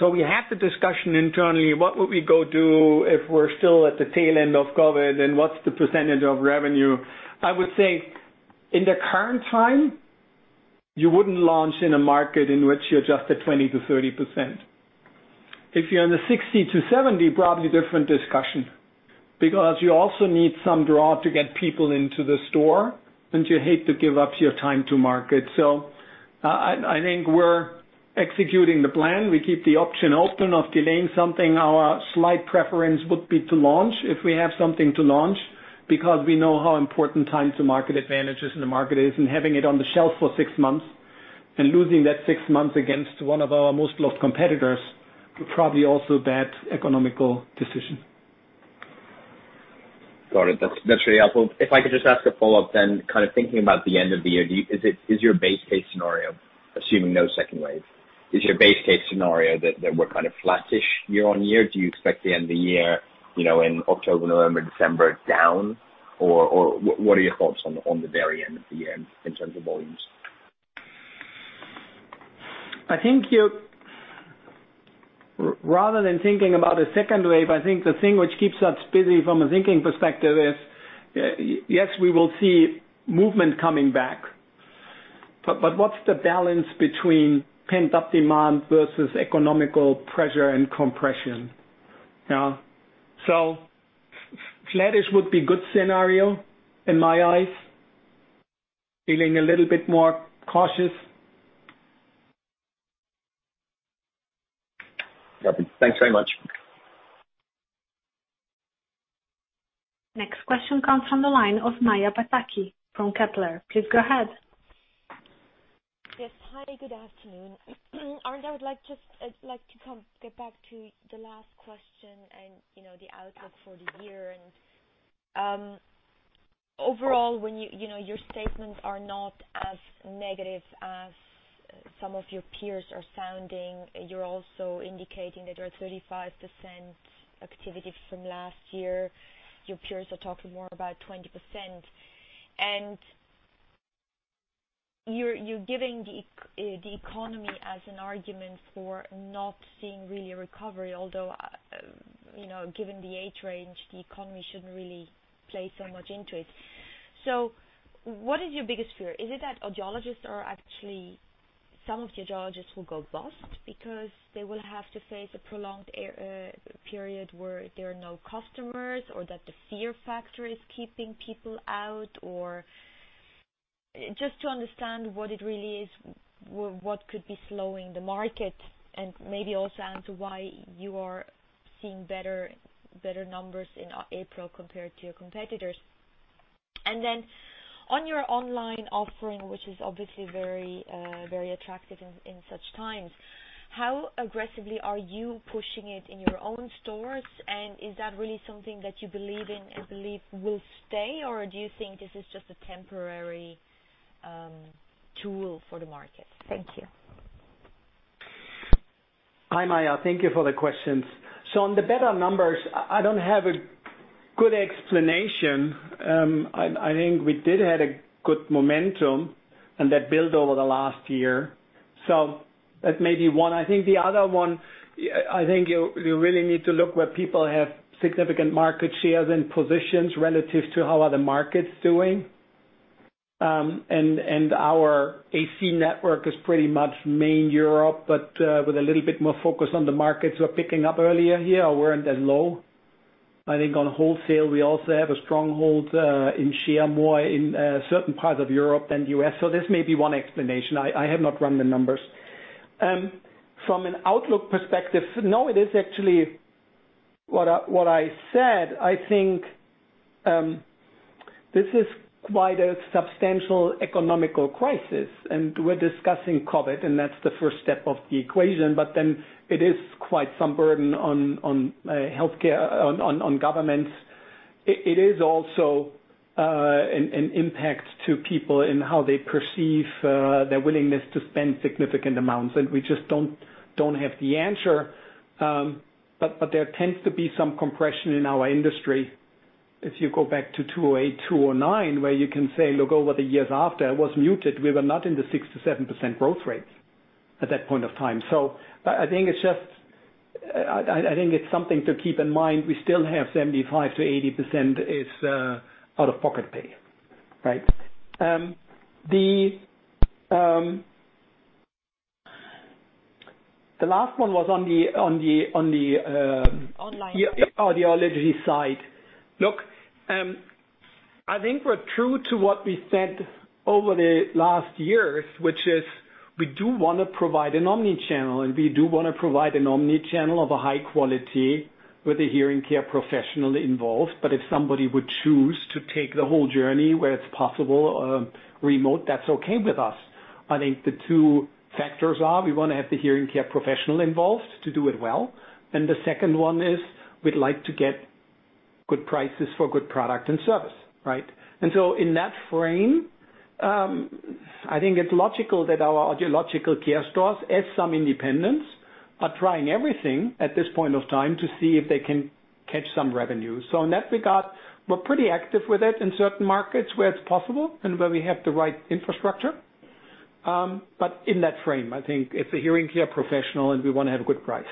the discussion internally, what would we go do if we're still at the tail end of COVID, and what's the percentage of revenue? I would say in the current time, you wouldn't launch in a market in which you're just at 20%-30%. If you're in the 60%-70%, probably different discussion, because you also need some draw to get people into the store, and you hate to give up your time to market. I think we're executing the plan. We keep the option open of delaying something. Our slight preference would be to launch if we have something to launch, because we know how important time to market advantage is in the market is. Having it on the shelf for 6 months and losing that 6 months against one of our most loved competitors, probably also bad economical decision. Got it. That's really helpful. If I could just ask a follow-up then, thinking about the end of the year, is your base case scenario assuming no second wave? Is your base case scenario that we're flat-ish year on year? Do you expect the end of the year, in October, November, December, down? What are your thoughts on the very end of the year in terms of volumes? I think rather than thinking about a second wave, I think the thing which keeps us busy from a thinking perspective is, yes, we will see movement coming back, but what's the balance between pent-up demand versus economical pressure and compression? Flattish would be good scenario in my eyes. Feeling a little bit more cautious. Copy. Thanks very much. Next question comes from the line of Maja Pataki from Kepler. Please go ahead. Yes. Hi, good afternoon. Arnd, I would like to get back to the last question and the outlook for the year. Overall, when your statements are not as negative as some of your peers are sounding. You're also indicating that you are at 35% activity from last year. Your peers are talking more about 20%. You're giving the economy as an argument for not seeing really a recovery, although, given the age range, the economy shouldn't really play so much into it. What is your biggest fear? Is it that some of the audiologists will go bust because they will have to face a prolonged period where there are no customers, or that the fear factor is keeping people out? Just to understand what it really is, what could be slowing the market, and maybe also as to why you are seeing better numbers in April compared to your competitors. Then on your online offering, which is obviously very attractive in such times, how aggressively are you pushing it in your own stores? Is that really something that you believe in and believe will stay, or do you think this is just a temporary tool for the market? Thank you. Hi, Maja. Thank you for the questions. On the better numbers, I don't have a good explanation. I think we did have a good momentum and that build over the last year. That may be one. I think the other one, I think you really need to look where people have significant market shares and positions relative to how are the markets doing. Our AC network is pretty much main Europe, but with a little bit more focus on the markets who are picking up earlier here or weren't as low. I think on wholesale, we also have a stronghold in share more in certain parts of Europe than U.S. This may be one explanation. I have not run the numbers. From an outlook perspective, no, it is actually what I said. I think this is quite a substantial economic crisis. We're discussing COVID, and that's the first step of the equation. It is quite some burden on healthcare, on governments. It is also an impact to people in how they perceive their willingness to spend significant amounts. We just don't have the answer. There tends to be some compression in our industry. If you go back to 2008, 2009, where you can say, look over the years after it was muted, we were not in the 6-7% growth rates at that point in time. I think it's something to keep in mind. We still have 75-80% is out-of-pocket pay. Right? Online audiology side. Look, I think we're true to what we said over the last years, which is we do want to provide an omni-channel, and we do want to provide an omni-channel of a high quality with the hearing care professional involved. If somebody would choose to take the whole journey where it's possible, remote, that's okay with us. I think the two factors are, we want to have the hearing care professional involved to do it well, and the second one is we'd like to get good prices for good product and service. Right? In that frame, I think it's logical that our Audiological Care stores, as some independents, are trying everything at this point of time to see if they can catch some revenue. In that regard, we're pretty active with it in certain markets where it's possible and where we have the right infrastructure. In that frame, I think it's a hearing care professional and we want to have a good price.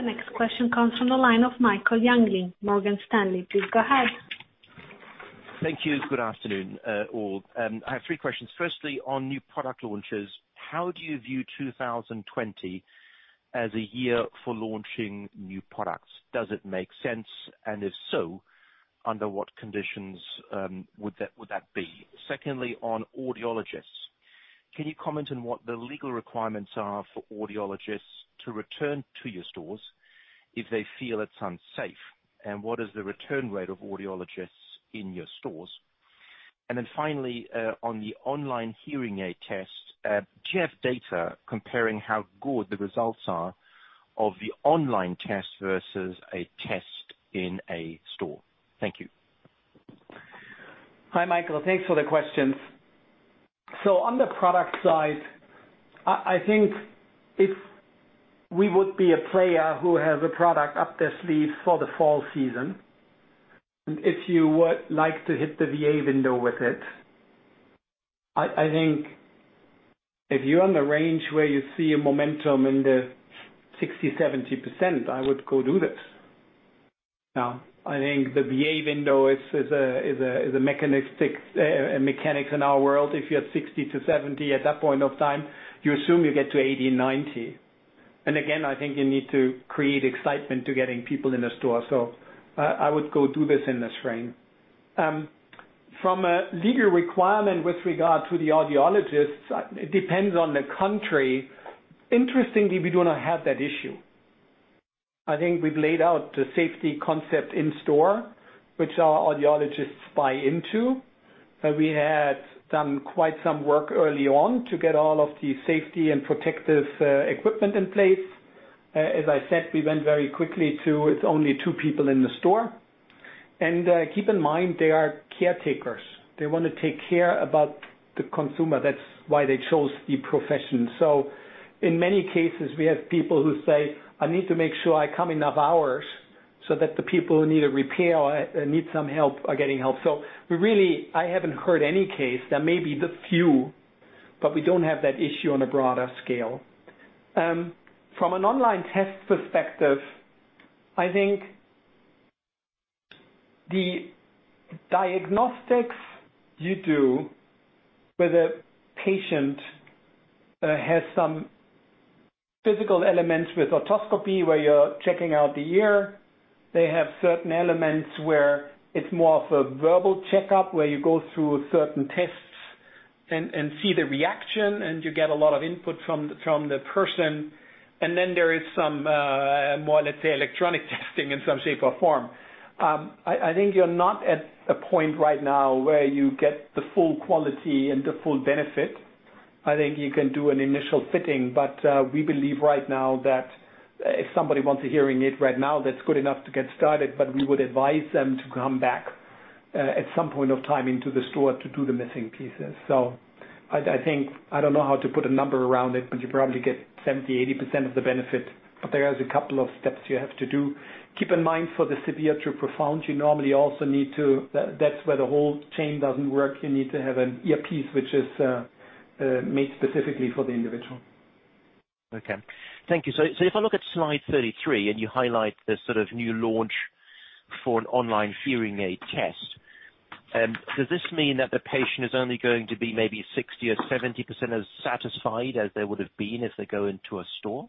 The next question comes from the line of Michael Jüngling, Morgan Stanley. Please go ahead. Thank you. Good afternoon, all. I have three questions. Firstly, on new product launches, how do you view 2020 as a year for launching new products? Does it make sense? If so, under what conditions would that be? Secondly, on audiologists, can you comment on what the legal requirements are for audiologists to return to your stores if they feel it's unsafe? What is the return rate of audiologists in your stores? Finally, on the online hearing aid test, do you have data comparing how good the results are of the online test versus a test in a store? Thank you. Hi, Michael. Thanks for the questions. On the product side, I think if we would be a player who has a product up their sleeve for the fall season, if you would like to hit the VA window with it, I think if you're on the range where you see a momentum in the 60%, 70%, I would go do this. Now, I think the VA window is a mechanic in our world. If you're at 60% to 70% at that point of time, you assume you get to 80% and 90%. Again, I think you need to create excitement to getting people in the store. I would go do this in this frame. From a legal requirement with regard to the audiologists, it depends on the country. Interestingly, we do not have that issue. I think we've laid out the safety concept in store, which our audiologists buy into, and we had done quite some work early on to get all of the safety and protective equipment in place. As I said, we went very quickly to it's only two people in the store. Keep in mind, they are caretakers. They want to take care about the consumer. That's why they chose the profession. In many cases, we have people who say, "I need to make sure I come enough hours so that the people who need a repair or need some help are getting help." Really, I haven't heard any case. There may be the few, but we don't have that issue on a broader scale. From an online test perspective, I think the diagnostics you do with a patient has some physical elements with otoscopy, where you're checking out the ear. They have certain elements where it's more of a verbal checkup, where you go through certain tests and see the reaction, and you get a lot of input from the person. There is some more, let's say, electronic testing in some shape or form. I think you're not at a point right now where you get the full quality and the full benefit. I think you can do an initial fitting, but we believe right now that if somebody wants a hearing aid right now, that's good enough to get started, but we would advise them to come back at some point of time into the store to do the missing pieces. I think, I don't know how to put a number around it, but you probably get 70%, 80% of the benefit. There is a couple of steps you have to do. Keep in mind for the severe to profound, that's where the whole chain doesn't work. You need to have an earpiece which is made specifically for the individual. Okay. Thank you. If I look at slide 33, and you highlight the sort of new launch for an online hearing aid test, does this mean that the patient is only going to be maybe 60% or 70% as satisfied as they would have been if they go into a store?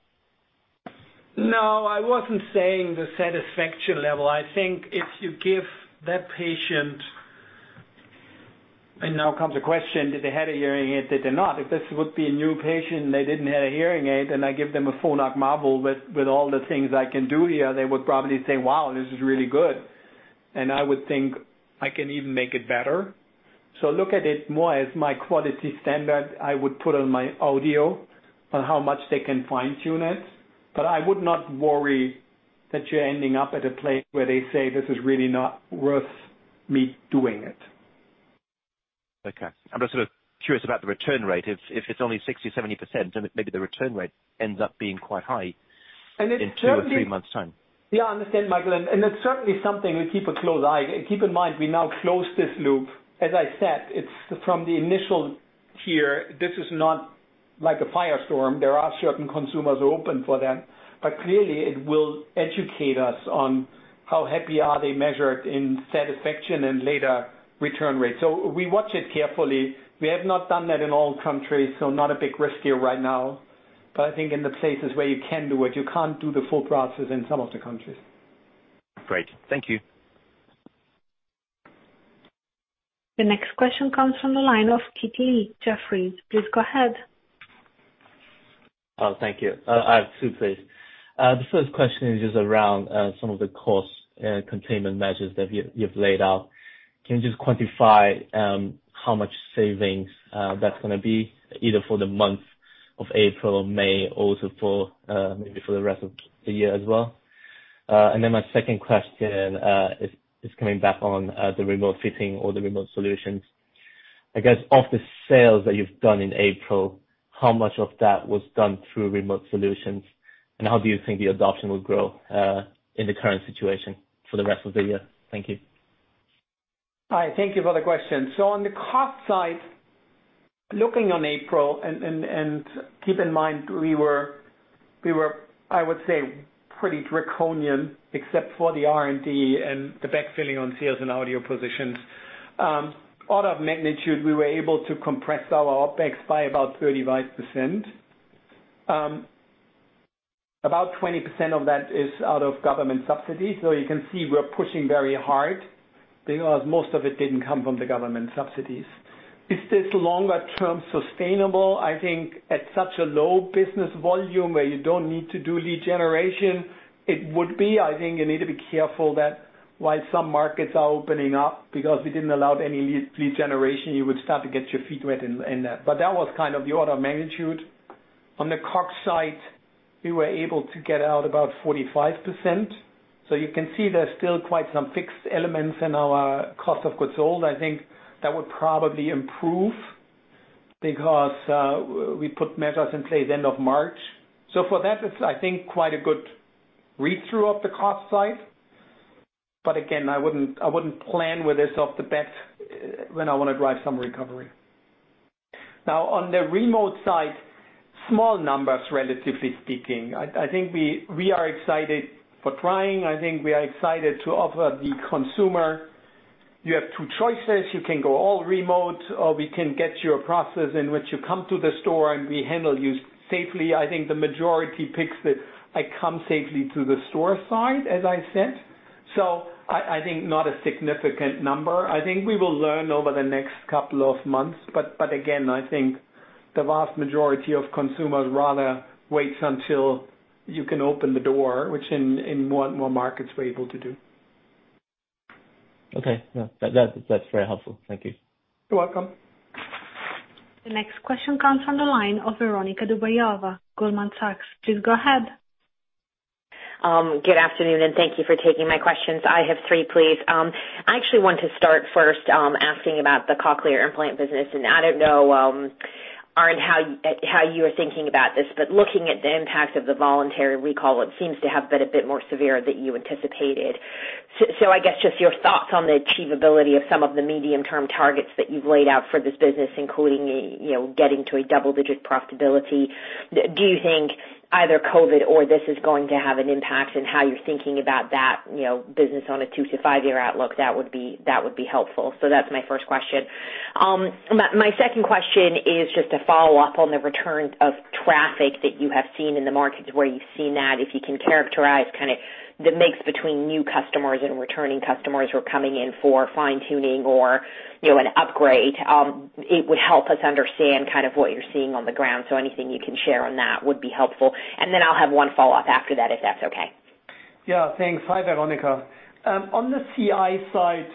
No, I wasn't saying the satisfaction level. I think if you give that patient. Now comes the question, did they had a hearing aid? Did they not? If this would be a new patient and they didn't have a hearing aid, I give them a Phonak Marvel with all the things I can do here, they would probably say, "Wow, this is really good." I would think I can even make it better. Look at it more as my quality standard I would put on my audio on how much they can fine-tune it. I would not worry that you're ending up at a place where they say, "This is really not worth me doing it. Okay. I'm just sort of curious about the return rate. If it's only 60%, 70%, maybe the return rate ends up being quite high. And it certainly- in two or three months' time. Yeah, I understand, Michael. It's certainly something we keep a close eye. Keep in mind, we now close this loop. As I said, it's from the initial tier. This is not like a firestorm. There are certain consumers who are open for that. Clearly, it will educate us on how happy are they measured in satisfaction and later return rate. We watch it carefully. We have not done that in all countries, so not a big risk here right now. I think in the places where you can do it, you can't do the full process in some of the countries. Great. Thank you. The next question comes from the line of Kitty Lee, Jefferies. Please go ahead. Oh, thank you. I have two, please. The first question is just around some of the cost containment measures that you've laid out. Can you just quantify how much savings that's gonna be, either for the month of April or May, also maybe for the rest of the year as well? My second question is coming back on the remote fitting or the remote solutions. I guess, of the sales that you've done in April, how much of that was done through remote solutions, and how do you think the adoption will grow in the current situation for the rest of the year? Thank you. All right. Thank you for the question. On the cost side, looking at April, keep in mind, we were, I would say, pretty draconian except for the R&D and the backfilling on sales and audio positions. Order of magnitude, we were able to compress our OpEx by about 35%. About 20% of that is out of government subsidies. You can see we're pushing very hard because most of it didn't come from the government subsidies. Is this longer-term sustainable? I think at such a low business volume where you don't need to do lead generation, it would be. I think you need to be careful that while some markets are opening up, because we didn't allow any lead generation, you would start to get your feet wet in that. That was the order of magnitude. On the COGS side, we were able to get out about 45%. You can see there's still quite some fixed elements in our cost of goods sold. I think that would probably improve because we put measures in place end of March. For that, it's, I think, quite a good read-through of the COGS side. Again, I wouldn't plan with this off the bat when I want to drive some recovery. Now, on the remote side, small numbers, relatively speaking. I think we are excited for trying. I think we are excited to offer the consumer. You have two choices. You can go all remote, or we can get you a process in which you come to the store and we handle you safely. I think the majority picks the, "I come safely to the store" side, as I said. I think not a significant number. I think we will learn over the next couple of months, but again, I think the vast majority of consumers rather waits until you can open the door, which in more and more markets we're able to do. Okay. Yeah. That's very helpful. Thank you. You're welcome. The next question comes from the line of Veronika Dubajova, Goldman Sachs. Please go ahead. Good afternoon. Thank you for taking my questions. I have three, please. I actually want to start first asking about the cochlear implant business. I don't know, Arnd, how you are thinking about this, looking at the impact of the voluntary recall, it seems to have been a bit more severe than you anticipated. I guess just your thoughts on the achievability of some of the medium-term targets that you've laid out for this business, including getting to a double-digit profitability. Do you think either COVID or this is going to have an impact in how you're thinking about that business on a two to five-year outlook? That would be helpful. That's my first question. My second question is just a follow-up on the return of traffic that you have seen in the markets, where you've seen that. If you can characterize the mix between new customers and returning customers who are coming in for fine-tuning or an upgrade. It would help us understand what you're seeing on the ground. Anything you can share on that would be helpful. I'll have one follow-up after that, if that's okay. Yeah. Thanks. Hi, Veronika. On the CI side,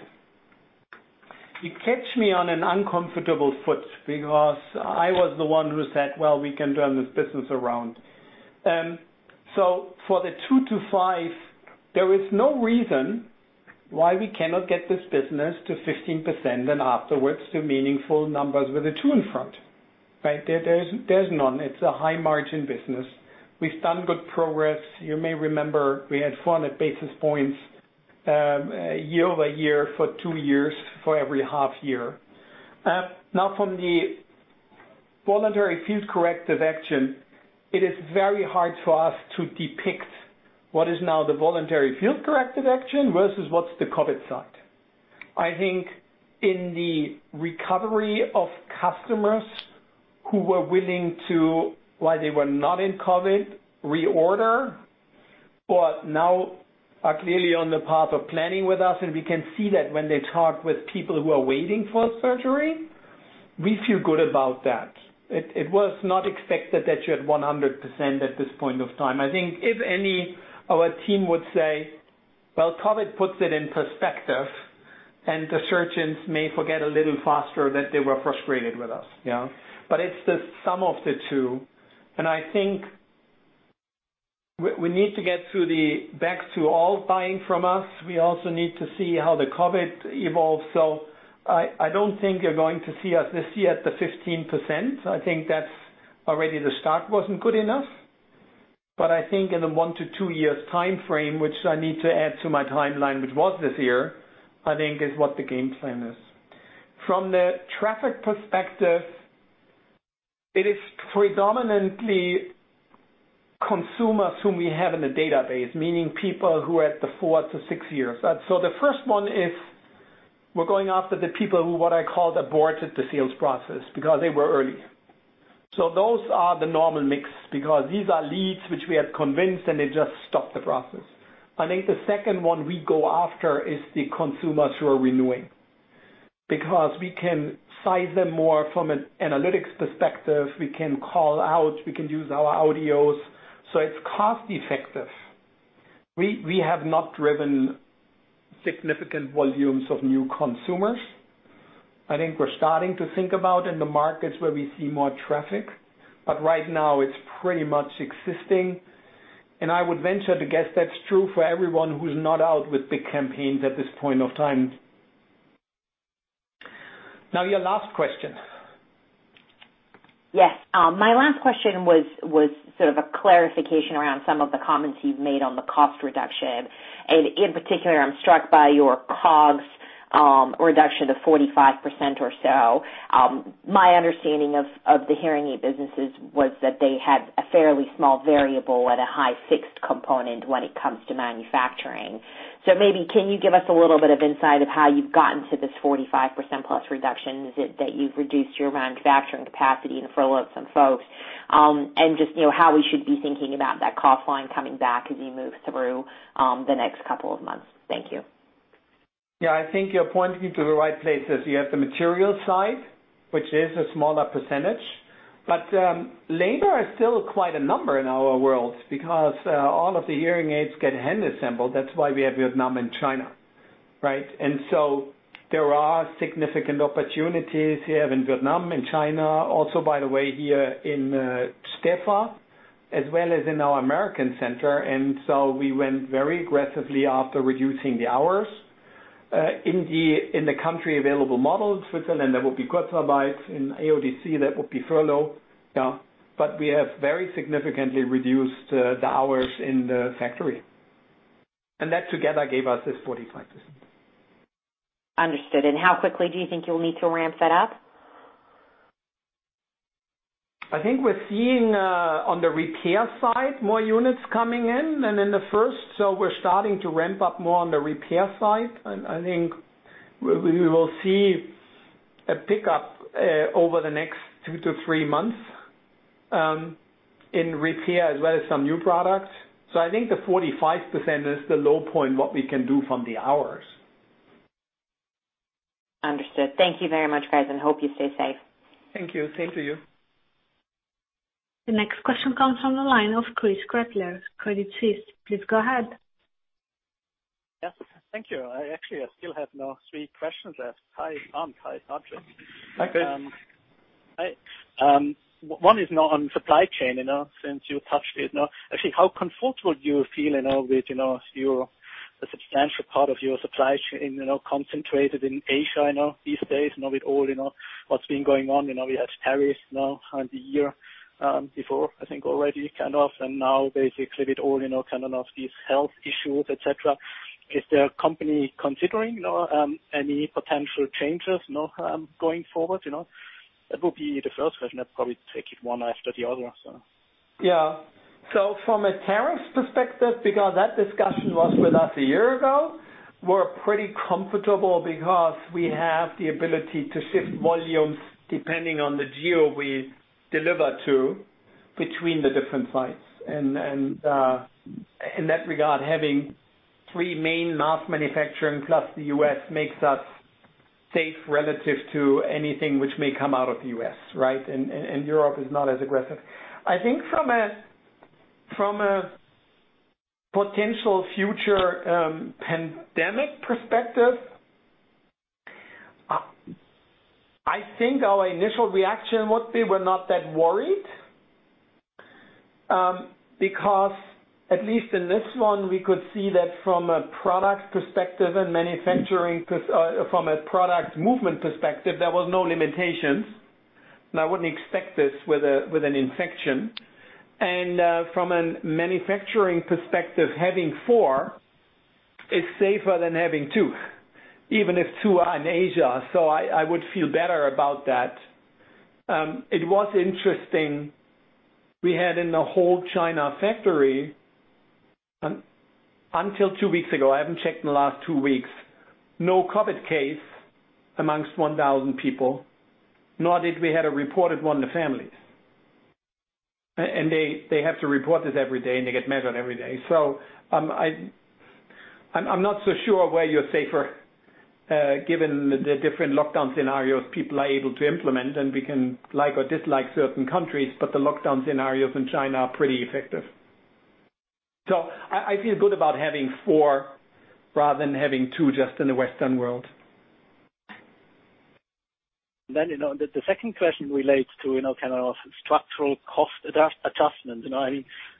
you catch me on an uncomfortable foot because I was the one who said, "Well, we can turn this business around." For the 2-5, there is no reason why we cannot get this business to 15% and afterwards to meaningful numbers with a 2 in front. Right. There's none. It's a high-margin business. We've done good progress. You may remember we had 400 basis points year-over-year for two years for every half year. From the voluntary field corrective action, it is very hard for us to depict what is now the voluntary field corrective action versus what's the COVID side. I think in the recovery of customers who were willing to, while they were not in COVID, reorder, but now are clearly on the path of planning with us, and we can see that when they talk with people who are waiting for surgery, we feel good about that. It was not expected that you're at 100% at this point of time. I think if any, our team would say, well, COVID puts it in perspective, and the surgeons may forget a little faster that they were frustrated with us. It's the sum of the two, and I think we need to get back to all buying from us. We also need to see how the COVID evolves. I don't think you're going to see us this year at the 15%. I think that already the start wasn't good enough. I think in the 1 to 2 years timeframe, which I need to add to my timeline, which was this year, I think is what the game plan is. From the traffic perspective, it is predominantly consumers whom we have in the database, meaning people who are at the 4 to 6 years. The first one is we're going after the people who, what I call, aborted the sales process because they were early. Those are the normal mix because these are leads which we had convinced, and they just stopped the process. I think the second one we go after is the consumers who are renewing because we can size them more from an analytics perspective. We can call out. We can use our audios. It's cost-effective. We have not driven significant volumes of new consumers. I think we're starting to think about in the markets where we see more traffic, but right now it's pretty much existing. I would venture to guess that's true for everyone who's not out with big campaigns at this point of time. Your last question. Yes. My last question was sort of a clarification around some of the comments you've made on the cost reduction. In particular, I'm struck by your COGS reduction of 45% or so. My understanding of the hearing aid businesses was that they had a fairly small variable at a high fixed component when it comes to manufacturing. Maybe can you give us a little bit of insight of how you've gotten to this 45% plus reduction? Is it that you've reduced your manufacturing capacity and furloughed some folks? Just how we should be thinking about that cost line coming back as you move through the next couple of months. Thank you. Yeah. I think you're pointing to the right places. You have the material side, which is a smaller percentage, but labor is still quite a number in our world because all of the hearing aids get hand-assembled. That's why we have Vietnam and China, right? There are significant opportunities we have in Vietnam and China also, by the way, here in Stäfa, as well as in our American center. We went very aggressively after reducing the hours in the country available models, Switzerland, that would be Kurzarbeit. In AODC, that would be furlough. We have very significantly reduced the hours in the factory. That together gave us this 45%. Understood. How quickly do you think you'll need to ramp that up? I think we're seeing on the repair side, more units coming in than in the first, so we're starting to ramp up more on the repair side. I think we will see a pickup over the next two to three months, in repair as well as some new products. I think the 45% is the low point, what we can do from the hours. Understood. Thank you very much, guys, and hope you stay safe. Thank you. Same to you. The next question comes from the line of Christoph Gretler, Credit Suisse. Please go ahead. Yes. Thank you. I actually still have now three questions left. Hi, Hans. Hi, Patrick. Hi, Chris. Hi. One is now on supply chain, since you touched it now. Actually, how comfortable do you feel with a substantial part of your supply chain concentrated in Asia these days, now with all what's been going on. We had tariffs now the year before, I think already kind of. Now basically with all these health issues, et cetera. Is the company considering any potential changes going forward? That would be the first question. I'd probably take it one after the other. Yeah. From a tariffs perspective, because that discussion was with us a year ago, we're pretty comfortable because we have the ability to shift volumes depending on the geo we deliver to between the different sites. In that regard, having three main mass manufacturing plus the U.S. makes us safe relative to anything which may come out of the U.S., right? Europe is not as aggressive. I think from a potential future pandemic perspective, I think our initial reaction would be we're not that worried, because at least in this one, we could see that from a product perspective and from a product movement perspective, there was no limitations. I wouldn't expect this with an infection. From a manufacturing perspective, having four is safer than having two, even if two are in Asia. So I would feel better about that. It was interesting, we had in the whole China factory, until two weeks ago, I haven't checked in the last two weeks, no COVID case amongst 1,000 people, nor did we had a reported one in the families. They have to report this every day, and they get measured every day. I'm not so sure where you're safer, given the different lockdown scenarios people are able to implement, and we can like or dislike certain countries, but the lockdown scenarios in China are pretty effective. I feel good about having four rather than having two just in the Western world. The second question relates to structural cost adjustment.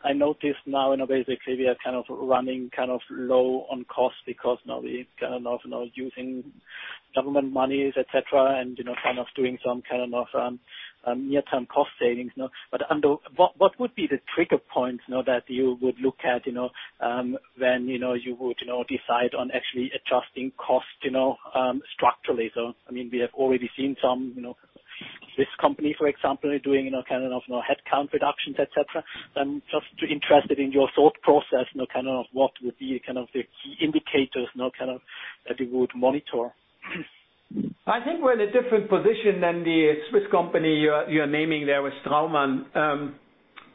I notice now basically we are running low on cost because now we are using government monies, et cetera, and doing some near-term cost savings now. What would be the trigger points that you would look at when you would decide on actually adjusting cost structurally? We have already seen some, this company, for example, are doing headcount reductions, et cetera. I'm just interested in your thought process, what would be the key indicators that you would monitor? I think we're in a different position than the Swiss company you're naming there with Straumann.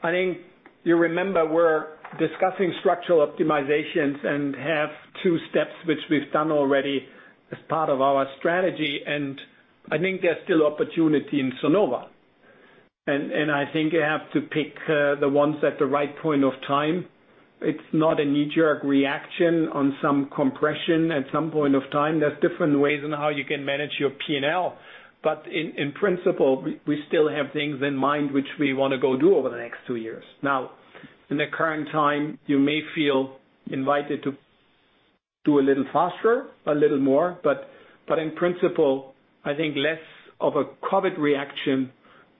I think you remember we're discussing structural optimizations and have two steps which we've done already as part of our strategy. I think there's still opportunity in Sonova. I think you have to pick the ones at the right point of time. It's not a knee-jerk reaction on some compression at some point of time. There's different ways on how you can manage your P&L. In principle, we still have things in mind which we want to go do over the next two years. In the current time, you may feel invited to do a little faster, a little more, but in principle, I think less of a COVID reaction,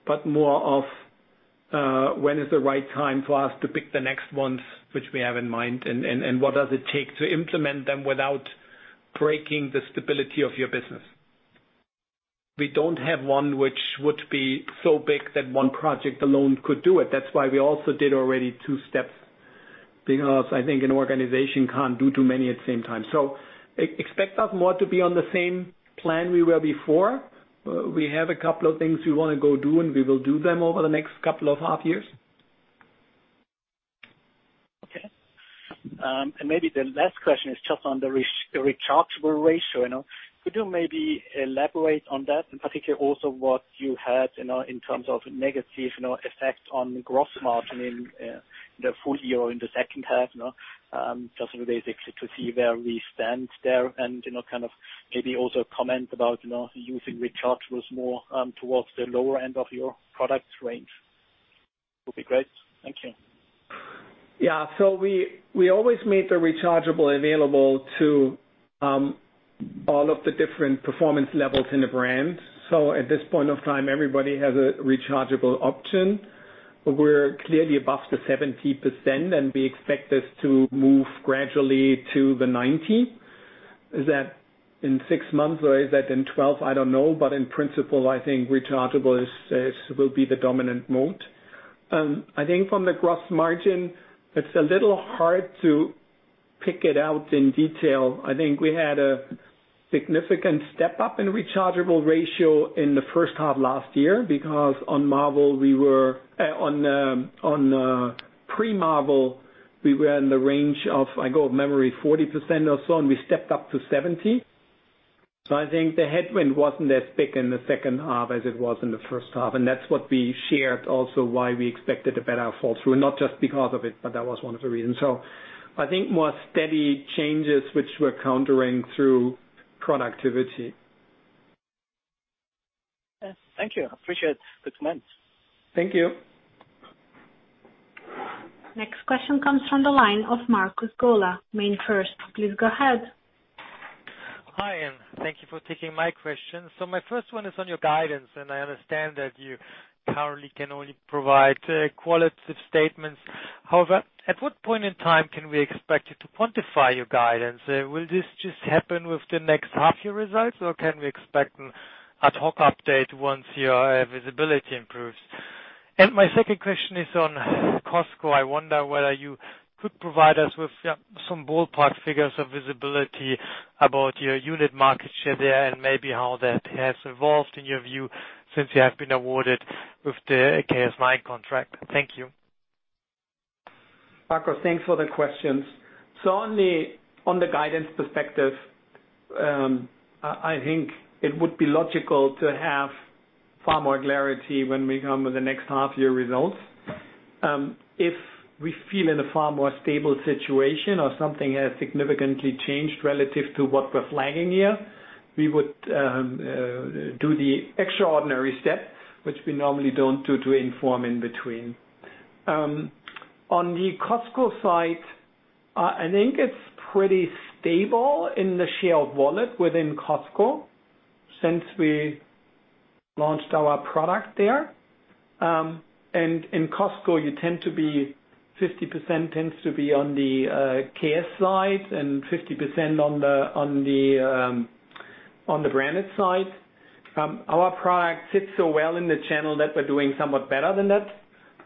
but more of when is the right time for us to pick the next ones which we have in mind, and what does it take to implement them without breaking the stability of your business? We don't have one which would be so big that one project alone could do it. That's why we also did already two steps. Because I think an organization can't do too many at the same time. Expect us more to be on the same plan we were before. We have a couple of things we want to go do, and we will do them over the next couple of half years. Okay. Maybe the last question is just on the rechargeable ratio. Could you maybe elaborate on that, and particularly also what you had in terms of negative effect on gross margin in the full year or in the second half? Just basically to see where we stand there and, kind of maybe also comment about using rechargeables more towards the lower end of your product range would be great. Thank you. Yeah. We always made the rechargeable available to all of the different performance levels in the brand. At this point of time, everybody has a rechargeable option. We're clearly above the 70%, and we expect this to move gradually to the 90%. Is that in six months or is that in 12 months? I don't know. In principle, I think rechargeable will be the dominant mode. I think from the gross margin, it's a little hard to pick it out in detail. I think we had a significant step up in rechargeable ratio in the first half last year, because on pre-Marvel, we were in the range of, if I go with memory, 40% or so, and we stepped up to 70%. I think the headwind wasn't as big in the second half as it was in the first half, and that's what we shared also why we expected a better fall through, and not just because of it, but that was one of the reasons. I think more steady changes, which we're countering through productivity. Okay. Thank you. Appreciate the comments. Thank you. Next question comes from the line of Markus Gola, MainFirst. Please go ahead. Hi, thank you for taking my question. My first one is on your guidance, and I understand that you currently can only provide qualitative statements. However, at what point in time can we expect you to quantify your guidance? Will this just happen with the next half year results, or can we expect an ad hoc update once your visibility improves? My second question is on Costco. I wonder whether you could provide us with some ballpark figures of visibility about your unit market share there, and maybe how that has evolved in your view since you have been awarded with the KS9 contract. Thank you. Markus, thanks for the questions. On the guidance perspective, I think it would be logical to have far more clarity when we come with the next half year results. If we feel in a far more stable situation or something has significantly changed relative to what we're flagging here, we would do the extraordinary step, which we normally don't do to inform in between. On the Costco side, I think it's pretty stable in the share of wallet within Costco since we launched our product there. In Costco, 50% tends to be on the KS side and 50% on the branded side. Our product fits so well in the channel that we're doing somewhat better than that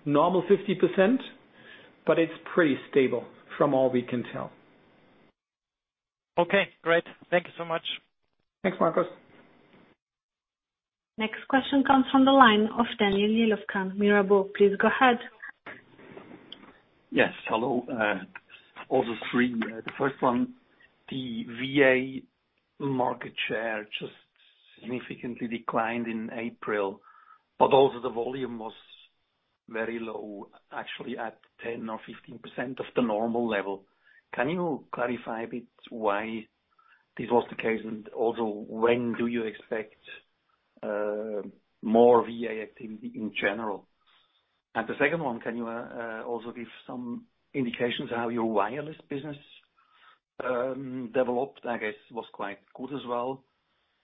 normal 50%, but it's pretty stable from all we can tell. Okay, great. Thank you so much. Thanks, Markus. Next question comes from the line of Daniel Jelovcan, Mirabaud. Please go ahead. Yes, hello. All the three. The first one, the VA market share just significantly declined in April. Also, the volume was very low, actually at 10% or 15% of the normal level. Can you clarify a bit why this was the case? Also, when do you expect more VA activity in general? The second one, can you also give some indications on how your wireless business developed? I guess was quite good as well.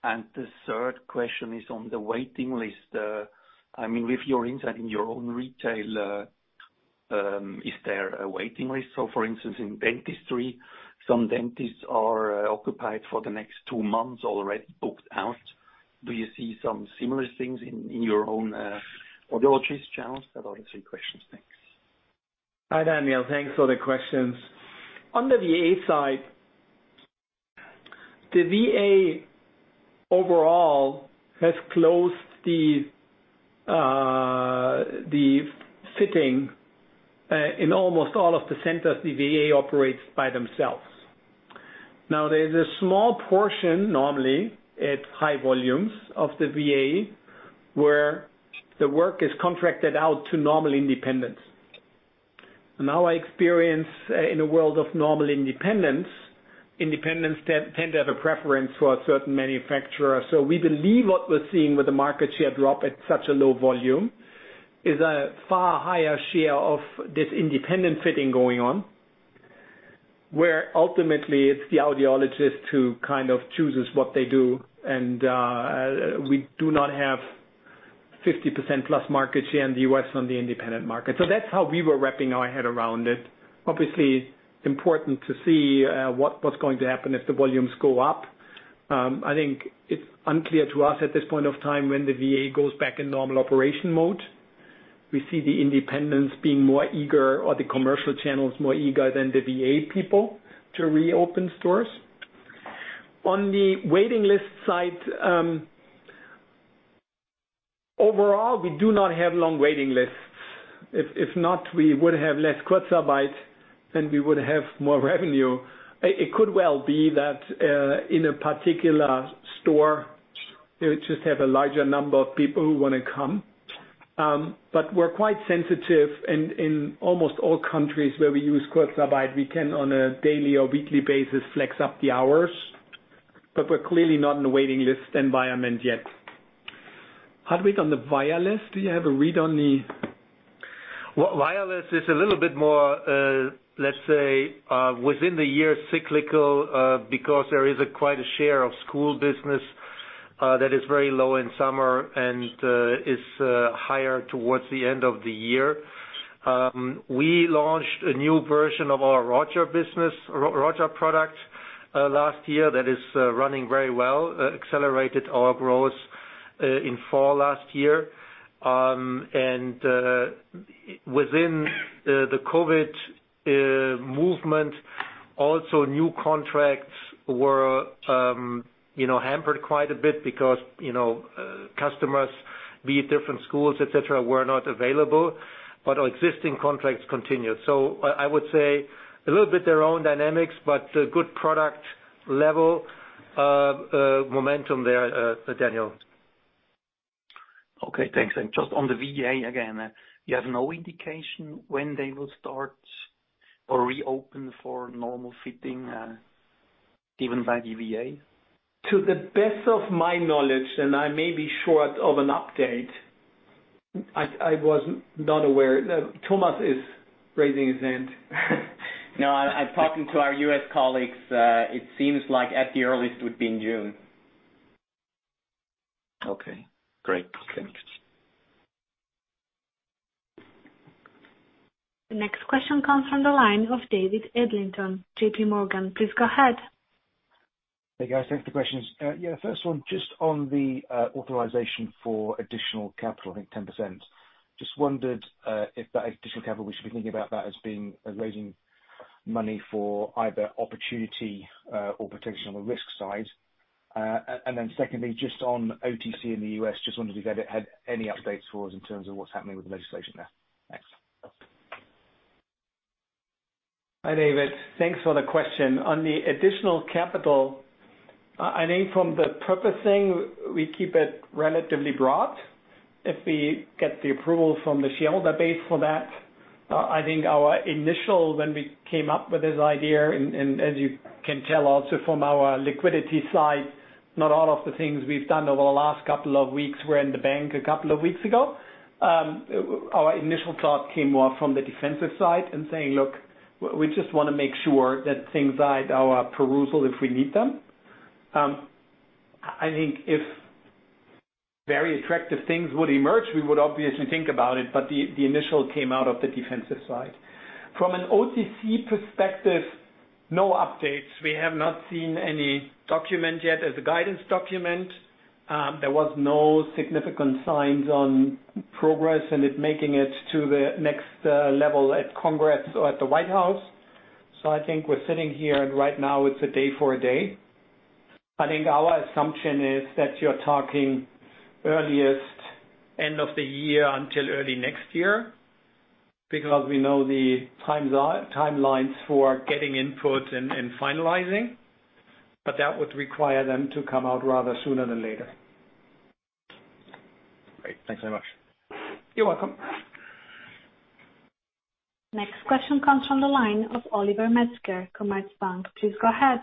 The third question is on the waiting list. With your insight in your own retail, is there a waiting list? For instance, in dentistry, some dentists are occupied for the next two months, already booked out. Do you see some similar things in your own audiologist channels? That all the three questions. Thanks. Hi, Daniel. Thanks for the questions. On the VA side, the VA overall has closed the fitting, in almost all of the centers the VA operates by themselves. There's a small portion, normally at high volumes of the VA, where the work is contracted out to normal independents. I experience in a world of normal independents tend to have a preference for a certain manufacturer. We believe what we're seeing with the market share drop at such a low volume is a far higher share of this independent fitting going on. Where ultimately it's the audiologist who kind of chooses what they do. We do not have 50% plus market share in the U.S. on the independent market. That's how we were wrapping our head around it. Obviously, it's important to see what's going to happen if the volumes go up I think it's unclear to us at this point of time when the VA goes back in normal operation mode. We see the independents being more eager, or the commercial channels more eager than the VA people to reopen stores. On the waiting list side, overall we do not have long waiting lists. If not, we would have less Quo Vadis, then we would have more revenue. It could well be that in a particular store they just have a larger number of people who want to come. We're quite sensitive in almost all countries where we use Quo Vadis we can, on a daily or weekly basis, flex up the hours, but we're clearly not in a waiting list environment yet. Hartwig, on the wireless, do you have a read on the. Wireless is a little bit more, let's say, within the year cyclical, because there is quite a share of school business that is very low in summer and is higher towards the end of the year. We launched a new version of our Roger product last year that is running very well, accelerated our growth in fall last year. Within the COVID movement also, new contracts were hampered quite a bit because customers, be it different schools, et cetera, were not available, but our existing contracts continued. I would say a little bit their own dynamics, but good product level momentum there, Daniel. Okay, thanks. Just on the VA again, you have no indication when they will start or reopen for normal fitting given by the VA? To the best of my knowledge, and I may be short of an update, I was not aware. Thomas is raising his hand. I'm talking to our U.S. colleagues. It seems like at the earliest would be in June. Okay, great. Thanks. The next question comes from the line of David Adlington, JPMorgan. Please go ahead. Hey, guys. Thanks for the questions. Yeah, first one, just on the authorization for additional capital, I think 10%. Just wondered if that additional capital, we should be thinking about that as being raising money for either opportunity or potential on the risk side. Secondly, just on OTC in the U.S., just wondered if you had any updates for us in terms of what's happening with the legislation there. Thanks. Hi, David. Thanks for the question. On the additional capital, I think from the purposing, we keep it relatively broad. If we get the approval from the shareholder base for that, I think our initial, when we came up with this idea, and as you can tell also from our liquidity slide, not all of the things we've done over the last couple of weeks were in the bank a couple of weeks ago. Our initial thought came more from the defensive side and saying, "Look, we just want to make sure that things are at our perusal if we need them." I think if very attractive things would emerge, we would obviously think about it, but the initial came out of the defensive side. From an OTC perspective, no updates. We have not seen any document yet as a guidance document. There was no significant signs on progress and it making it to the next level at Congress or at the White House. I think we're sitting here, and right now it's a day for a day. I think our assumption is that you're talking earliest end of the year until early next year, because we know the timelines for getting input and finalizing, but that would require them to come out rather sooner than later. Great. Thanks very much. You're welcome. Next question comes from the line of Oliver Metzger, Commerzbank. Please go ahead.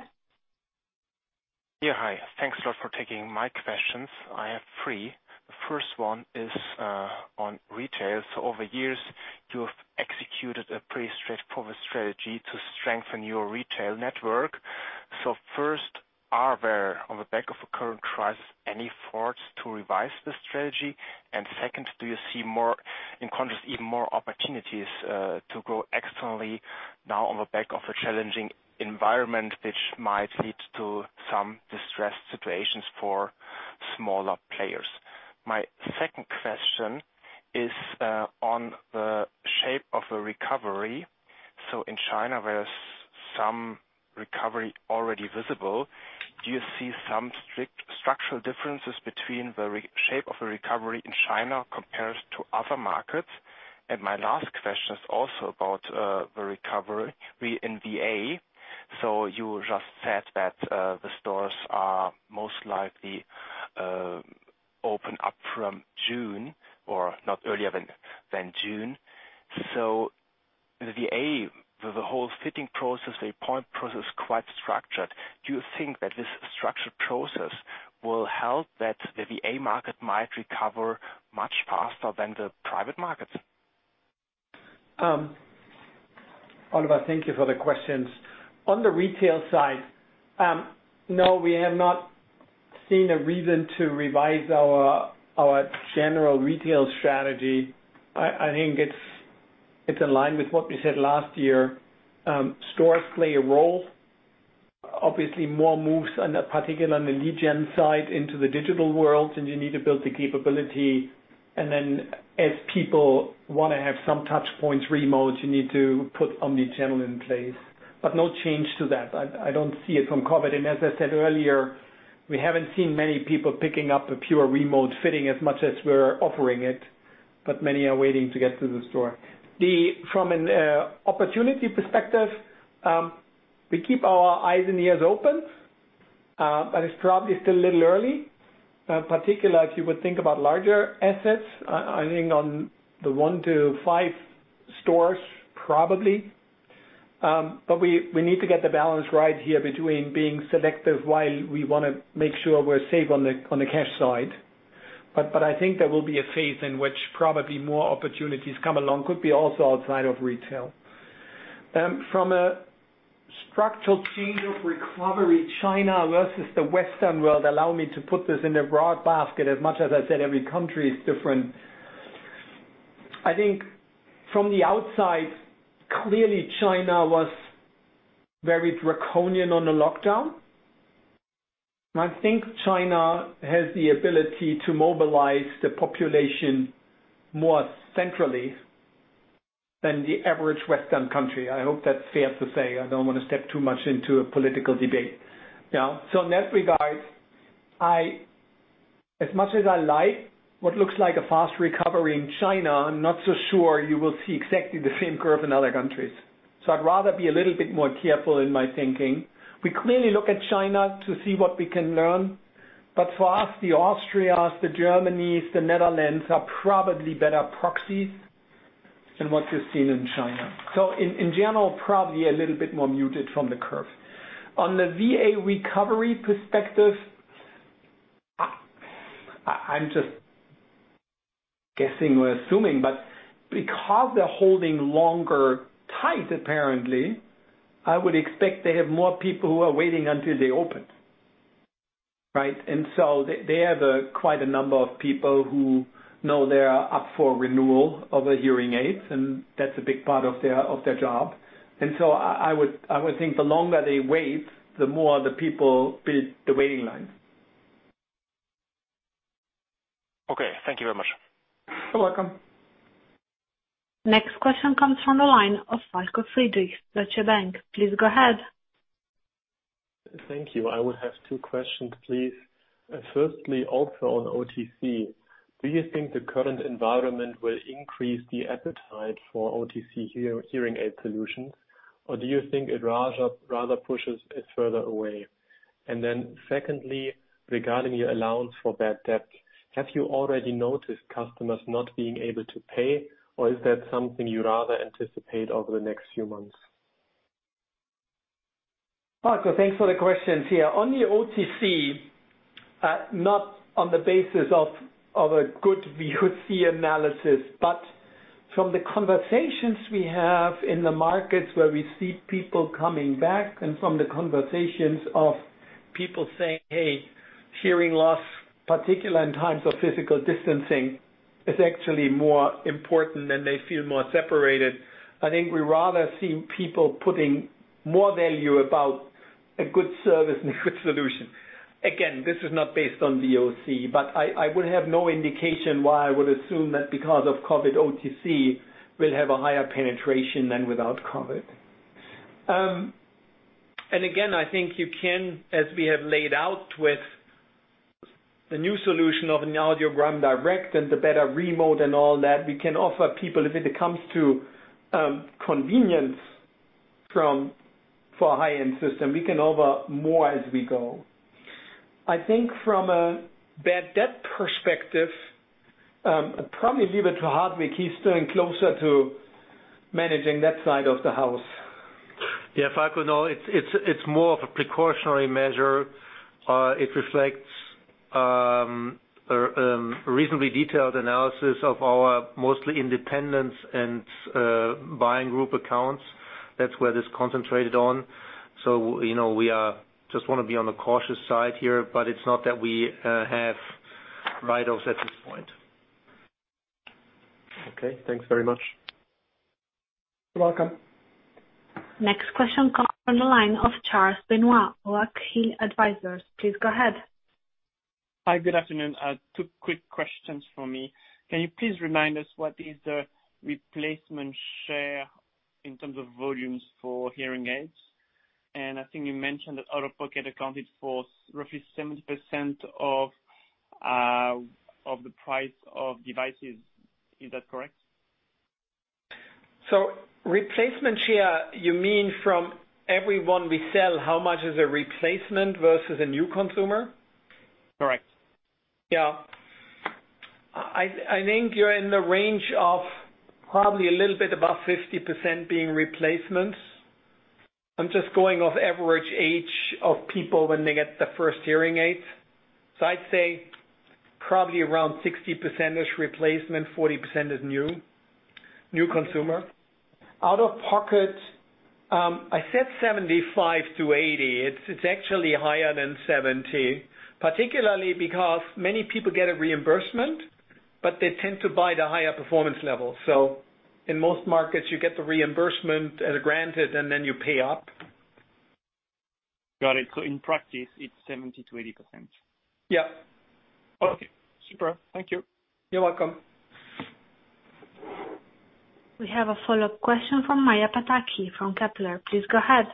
Yeah, hi. Thanks a lot for taking my questions. I have three. Over years, you have executed a pretty straightforward strategy to strengthen your retail network. First, are there, on the back of a current crisis, any efforts to revise the strategy? Second, do you see, in contrast, even more opportunities to grow externally now on the back of a challenging environment, which might lead to some distressed situations for smaller players? My second question is on the shape of the recovery. In China, where some recovery already visible, do you see some structural differences between the shape of the recovery in China compared to other markets? My last question is also about the recovery in VA. You just said that the stores are most likely open up from June or not earlier than June. The VA, the whole fitting process, the point process is quite structured. Do you think that this structured process will help that the VA market might recover much faster than the private markets? Oliver, thank you for the questions. On the retail side, no, we have not seen a reason to revise our general retail strategy. I think it's. It's in line with what we said last year. Stores play a role. Obviously, more moves, particularly on the lead gen side into the digital world, you need to build the capability. As people want to have some touch points remote, you need to put omnichannel in place. No change to that. I don't see it from COVID. As I said earlier, we haven't seen many people picking up a pure remote fitting as much as we're offering it, but many are waiting to get to the store. From an opportunity perspective, we keep our eyes and ears open, but it's probably still a little early. Particularly if you would think about larger assets, I think on the one to five stores, probably. We need to get the balance right here between being selective while we want to make sure we're safe on the cash side. I think there will be a phase in which probably more opportunities come along, could be also outside of retail. From a structural change of recovery, China versus the Western world, allow me to put this in a broad basket, as much as I said every country is different. I think from the outside, clearly China was very draconian on the lockdown. I think China has the ability to mobilize the population more centrally than the average Western country. I hope that's fair to say. I don't want to step too much into a political debate. Yeah. In that regard, as much as I like what looks like a fast recovery in China, I'm not so sure you will see exactly the same curve in other countries. I'd rather be a little bit more careful in my thinking. We clearly look at China to see what we can learn, but for us, the Austrias, the Germanys, the Netherlands are probably better proxies than what you're seeing in China. In general, probably a little bit more muted from the curve. On the VA recovery perspective, I'm just guessing or assuming, but because they're holding longer tight, apparently, I would expect they have more people who are waiting until they open. Right? They have quite a number of people who know they are up for renewal of a hearing aid, and that's a big part of their job. I would think the longer they wait, the more the people build the waiting line. Okay. Thank you very much. You're welcome. Next question comes from the line of Falko Friedrichs, Deutsche Bank. Please go ahead. Thank you. I would have two questions, please. Firstly, also on OTC, do you think the current environment will increase the appetite for OTC hearing aid solutions? Do you think it rather pushes it further away? Secondly, regarding your allowance for bad debt, have you already noticed customers not being able to pay, or is that something you rather anticipate over the next few months? Falko, thanks for the questions here. On the OTC, not on the basis of a good VOC analysis, but from the conversations we have in the markets where we see people coming back and from the conversations of people saying, "Hey, hearing loss, particularly in times of physical distancing, is actually more important," and they feel more separated. I think we rather see people putting more value about a good service and a good solution. Again, this is not based on VOC. I would have no indication why I would assume that because of COVID, OTC will have a higher penetration than without COVID. Again, I think you can, as we have laid out with the new solution of an Audiogram Direct and the better remote and all that, we can offer people if it comes to convenience for a high-end system, we can offer more as we go. I think from a bad debt perspective, probably leave it to Hartwig. He's staying closer to managing that side of the house. Yeah. Falko, no, it's more of a precautionary measure. It reflects a reasonably detailed analysis of our mostly independents and buying group accounts. That's where it is concentrated on. We just want to be on the cautious side here, but it's not that we have write-offs at this point. Okay, thanks very much. You're welcome. Next question comes from the line of Charles Benoit, Oak Hill Advisors. Please go ahead. Hi, good afternoon. Two quick questions for me. Can you please remind us what is the replacement share in terms of volumes for hearing aids? I think you mentioned that out-of-pocket accounted for roughly 70% of the price of devices. Is that correct? Replacement share, you mean from everyone we sell, how much is a replacement versus a new consumer? Correct. Yeah. I think you're in the range of probably a little bit above 50% being replacements. I'm just going off average age of people when they get the first hearing aid. I'd say probably around 60% is replacement, 40% is new consumer. Out-of-pocket I said 75%-80%. It's actually higher than 70%, particularly because many people get a reimbursement, but they tend to buy the higher performance level. In most markets, you get the reimbursement as a granted, and then you pay up. Got it. In practice, it's 70%-80%. Yeah. Okay. Super. Thank you. You're welcome. We have a follow-up question from Maja Pataki from Kepler. Please go ahead.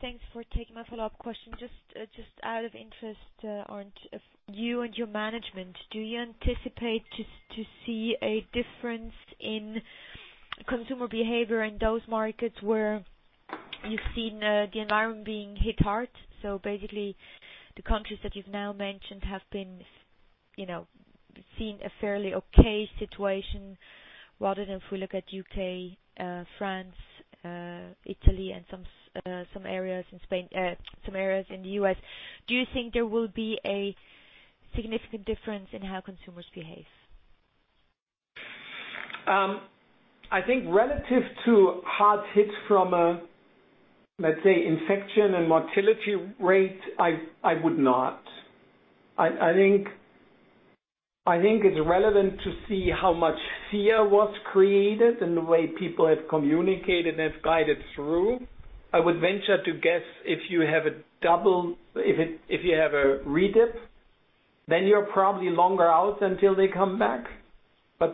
Yes, thanks for taking my follow-up question. Just out of interest, you and your management, do you anticipate to see a difference in consumer behavior in those markets where you've seen the environment being hit hard? Basically, the countries that you've now mentioned have been seeing a fairly okay situation rather than if we look at U.K., France, Italy, and some areas in the U.S. Do you think there will be a significant difference in how consumers behave? I think relative to hard hits from, let's say, infection and mortality rate, I would not. I think it's relevant to see how much fear was created and the way people have communicated and guided through. I would venture to guess if you have a re-dip, then you're probably longer out until they come back.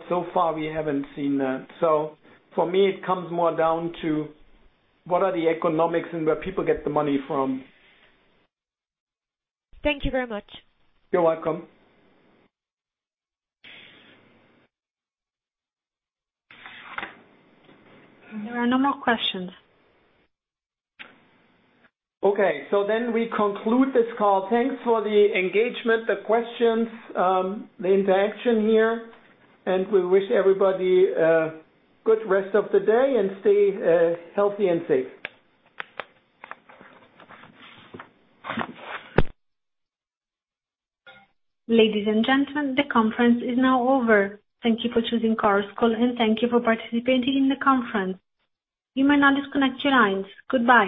So far, we haven't seen that. For me, it comes more down to what are the economics and where people get the money from. Thank you very much. You're welcome. There are no more questions. Okay, we conclude this call. Thanks for the engagement, the questions, the interaction here, and we wish everybody a good rest of the day and stay healthy and safe. Ladies and gentlemen, the conference is now over. Thank you for choosing Chorus Call and thank you for participating in the conference. You may now disconnect your lines. Goodbye.